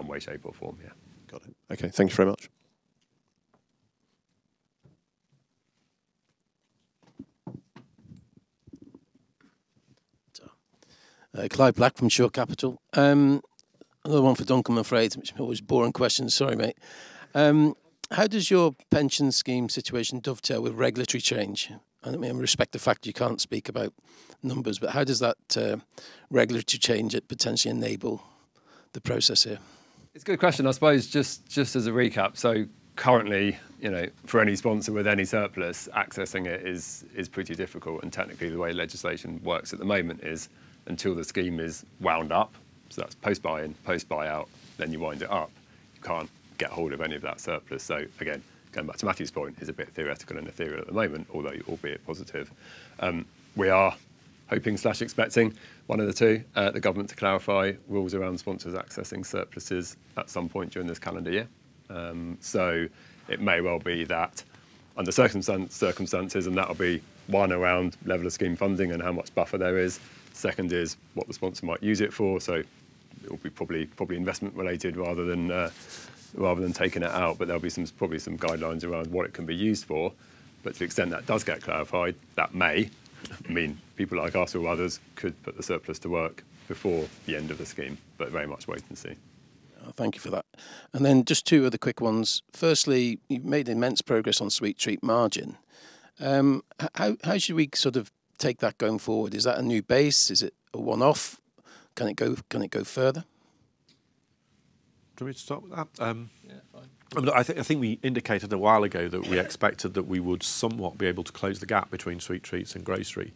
way, shape, or form. Yeah. Got it. Okay. Thank you very much. Ta. Clive Black from Shore Capital. Another one for Duncan, I'm afraid, which I know is a boring question. Sorry, mate. How does your pension scheme situation dovetail with regulatory change? I mean, I respect the fact you can't speak about numbers, but how does that regulatory change it potentially enable the process here? It's a good question. I suppose just as a recap, currently, you know, for any sponsor with any surplus, accessing it is pretty difficult. Technically the way legislation works at the moment is until the scheme is wound up, that's post buy-in, post buyout, then you wind it up, you can't get hold of any of that surplus. Again, going back to Matthew's point, it's a bit theoretical and ethereal at the moment, although albeit positive. We are hoping/expecting, one of the two, the government to clarify rules around sponsors accessing surpluses at some point during this calendar year. It may well be that under circumstances, and that'll be, one, around level of scheme funding and how much buffer there is. Second is what the sponsor might use it for. It'll be probably investment related rather than rather than taking it out. There'll be probably some guidelines around what it can be used for. To the extent that does get clarified, that may mean people like us or others could put the surplus to work before the end of the scheme. Very much wait and see. Thank you for that. Just two other quick ones. Firstly, you've made immense progress on sweet treat margin. How should we sort of take that going forward? Is that a new base? Is it a one-off? Can it go further? Do you want me to start with that? Yeah, fine. I think we indicated a while ago that we expected that we would somewhat be able to close the gap between sweet treats and grocery.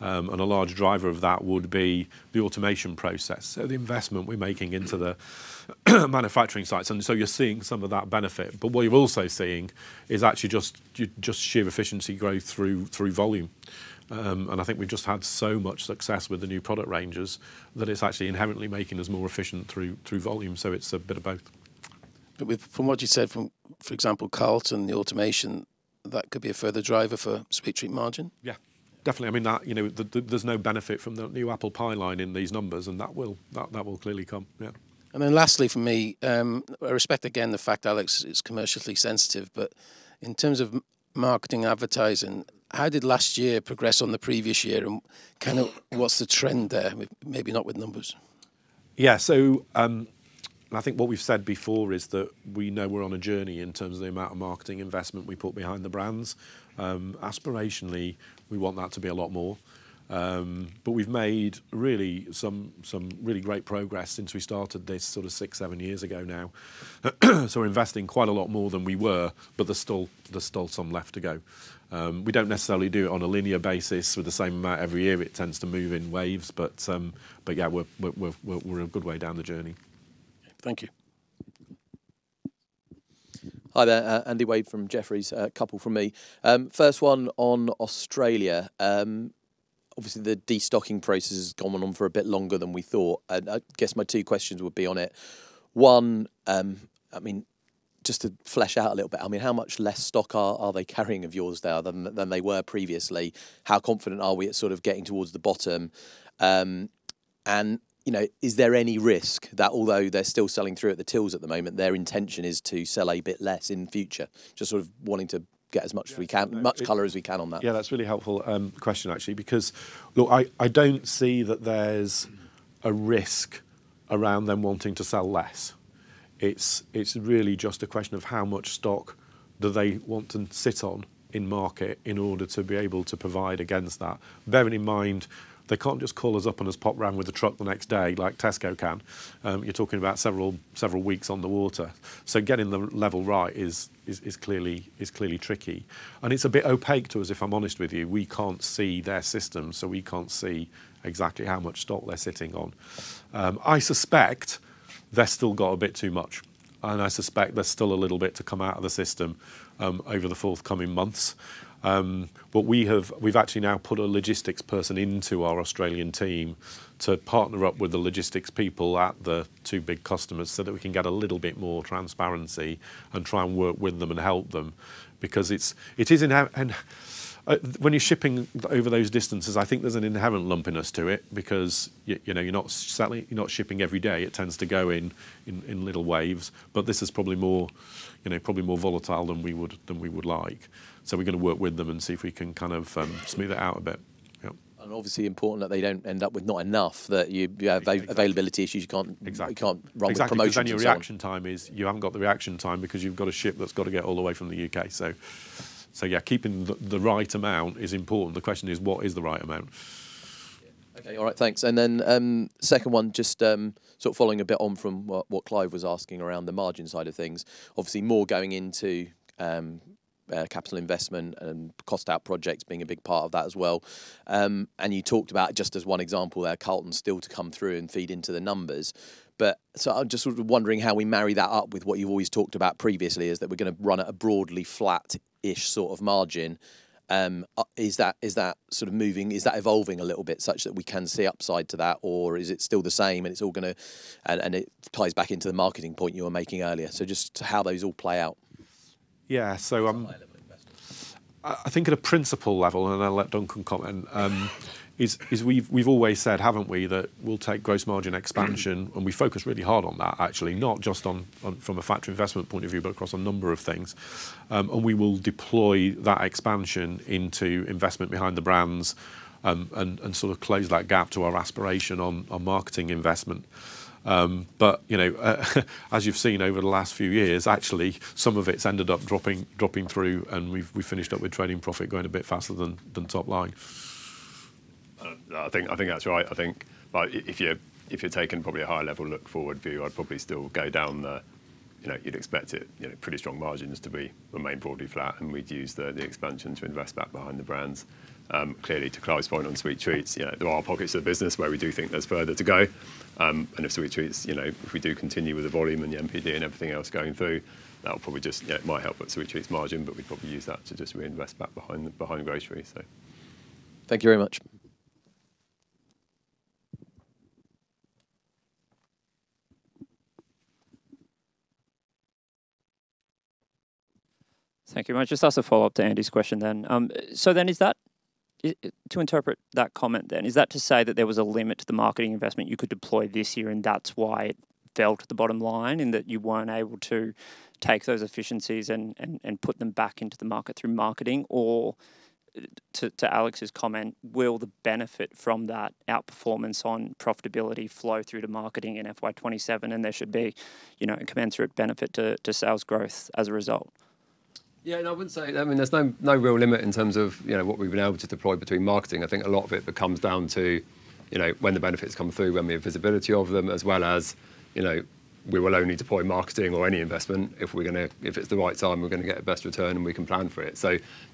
A large driver of that would be the automation process. The investment we're making into the manufacturing sites, you're seeing some of that benefit. What you're also seeing is actually just sheer efficiency growth through volume. I think we've just had so much success with the new product ranges that it's actually inherently making us more efficient through volume. It's a bit of both. From what you said, for example, Carlton, the automation, that could be a further driver for sweet treat margin. Yeah, definitely. I mean, that, you know, there's no benefit from the new apple pie line in these numbers, and that will clearly come. Yeah. Lastly for me, I respect again the fact, Alex, it's commercially sensitive, but in terms of marketing advertising, how did last year progress on the previous year, and kind of what's the trend there? With, maybe not with numbers. Yeah. I think what we've said before is that we know we're on a journey in terms of the amount of marketing investment we put behind the brands. Aspirationally, we want that to be a lot more. We've made some really great progress since we started this sort of six, years ago now. We're investing quite a lot more than we were, but there's still some left to go. We don't necessarily do it on a linear basis with the same amount every year. It tends to move in waves. But yeah, we're a good way down the journey. Thank you. Hi there. Andy Wade from Jefferies. A couple from me. First one on Australia. Obviously, the destocking process has gone on for a bit longer than we thought. I guess my two questions would be on it. One, I mean, just to flesh out a little bit, I mean, how much less stock are they carrying of yours now than they were previously? How confident are we at sort of getting towards the bottom? You know, is there any risk that although they're still selling through at the tills at the moment, their intention is to sell a bit less in future? Just sort of wanting to get as much as we can. Yeah much color as we can on that. Yeah, that's a really helpful question actually, because look, I don't see that there's a risk around them wanting to sell less. It's really just a question of how much stock do they want to sit on in market in order to be able to provide against that. Bearing in mind they can't just call us up and just pop round with a truck the next day like Tesco can. You're talking about several weeks on the water. Getting the level right is clearly tricky. It's a bit opaque to us, if I'm honest with you. We can't see their system, so we can't see exactly how much stock they're sitting on. I suspect they've still got a bit too much, and I suspect there's still a little bit to come out of the system over the forthcoming months. What we've actually now put a logistics person into our Australian team to partner up with the logistics people at the two big customers, so that we can get a little bit more transparency and try and work with them and help them because it is inherent, and when you're shipping over those distances, I think there's an inherent lumpiness to it because you know, you're not sadly, you're not shipping every day. It tends to go in little waves. This is probably more, you know, probably more volatile than we would like. We're gonna work with them and see if we can kind of smooth it out a bit. Yeah. Obviously important that they don't end up with not enough that you have availability issues. Exactly You can't run with promotions and so on. Exactly. 'Cause then your reaction time is you haven't got the reaction time because you've got a ship that's got to get all the way from the U.K. Yeah, keeping the right amount is important. The question is what is the right amount? Yeah. Okay. All right. Thanks. Then, second one, just sort of following a bit on from what Clive was asking around the margin side of things. Obviously, more going into capital investment and cost out projects being a big part of that as well. You talked about just as one example there, Carlton's still to come through and feed into the numbers. I'm just sort of wondering how we marry that up with what you've always talked about previously is that we're gonna run at a broadly flat-ish sort of margin. Is that sort of moving? Is that evolving a little bit such that we can see upside to that, or is it still the same and it plays back into the marketing point you were making earlier. just how those all play out. Yeah. High level investors I think at a principle level, and I'll let Duncan comment, we've always said, haven't we, that we'll take gross margin expansion and we focus really hard on that actually, not just from a factory investment point of view, but across a number of things. We will deploy that expansion into investment behind the brands, and sort of close that gap to our aspiration on marketing investment. You know, as you've seen over the last few years, actually, some of it's ended up dropping through and we've finished up with trading profit going a bit faster than top line. I think that's right. I think, like, if you're taking probably a higher level look forward view, I'd probably still go down the, you know, you'd expect it, you know, pretty strong margins to be, remain broadly flat, and we'd use the expansion to invest back behind the brands. Clearly to Clive's point on sweet treats, you know, there are pockets of the business where we do think there's further to go. If sweet treats, you know, if we do continue with the volume and the NPD and everything else going through, that will probably just, you know, might help with sweet treats margin, but we'd probably use that to just reinvest back behind grocery. Thank you very much. Thank you very much. Just as a follow-up to Andy's question then. Is that to interpret that comment then, is that to say that there was a limit to the marketing investment you could deploy this year, and that's why it dented the bottom line and that you weren't able to take those efficiencies and put them back into the market through marketing? To Alex Whitehouse's comment, will the benefit from that outperformance on profitability flow through to marketing in FY 2027 and there should be, you know, a commensurate benefit to sales growth as a result? No, I wouldn't say. I mean, there's no real limit in terms of, you know, what we've been able to deploy between marketing. I think a lot of it comes down to, you know, when the benefits come through, when we have visibility of them, as well as, you know, we will only deploy marketing or any investment if it's the right time, we're gonna get the best return, and we can plan for it.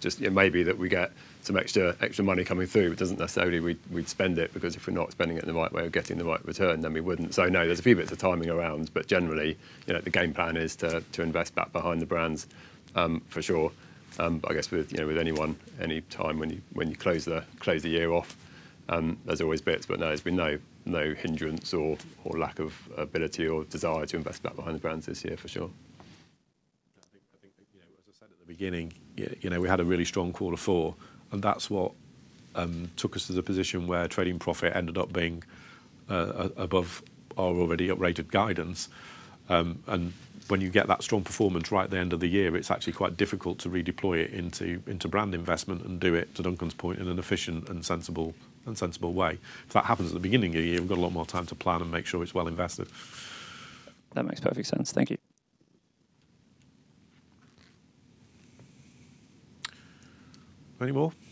Just it may be that we get some extra money coming through. It doesn't necessarily we'd spend it because if we're not spending it in the right way of getting the right return, then we wouldn't. No, there's a few bits of timing around, but generally, you know, the game plan is to invest back behind the brands for sure. I guess with, you know, with anyone, any time when you close the year off, there's always bits. No, there's been no hindrance or lack of ability or desire to invest back behind the brands this year for sure. I think, you know, as I said at the beginning, you know, we had a really strong quarter four, and that's what took us to the position where trading profit ended up being above our already upgraded guidance. When you get that strong performance right at the end of the year, it's actually quite difficult to redeploy it into brand investment and do it, to Duncan's point, in an efficient and sensible way. If that happens at the beginning of the year, we've got a lot more time to plan and make sure it's well invested. That makes perfect sense. Thank you. Any more? No.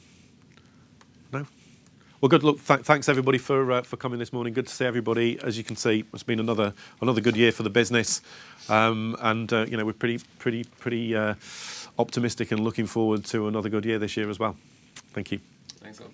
Well, good luck. Thanks everybody for coming this morning. Good to see everybody. As you can see, it's been another good year for the business. you know, we're pretty optimistic and looking forward to another good year this year as well. Thank you. Thanks all.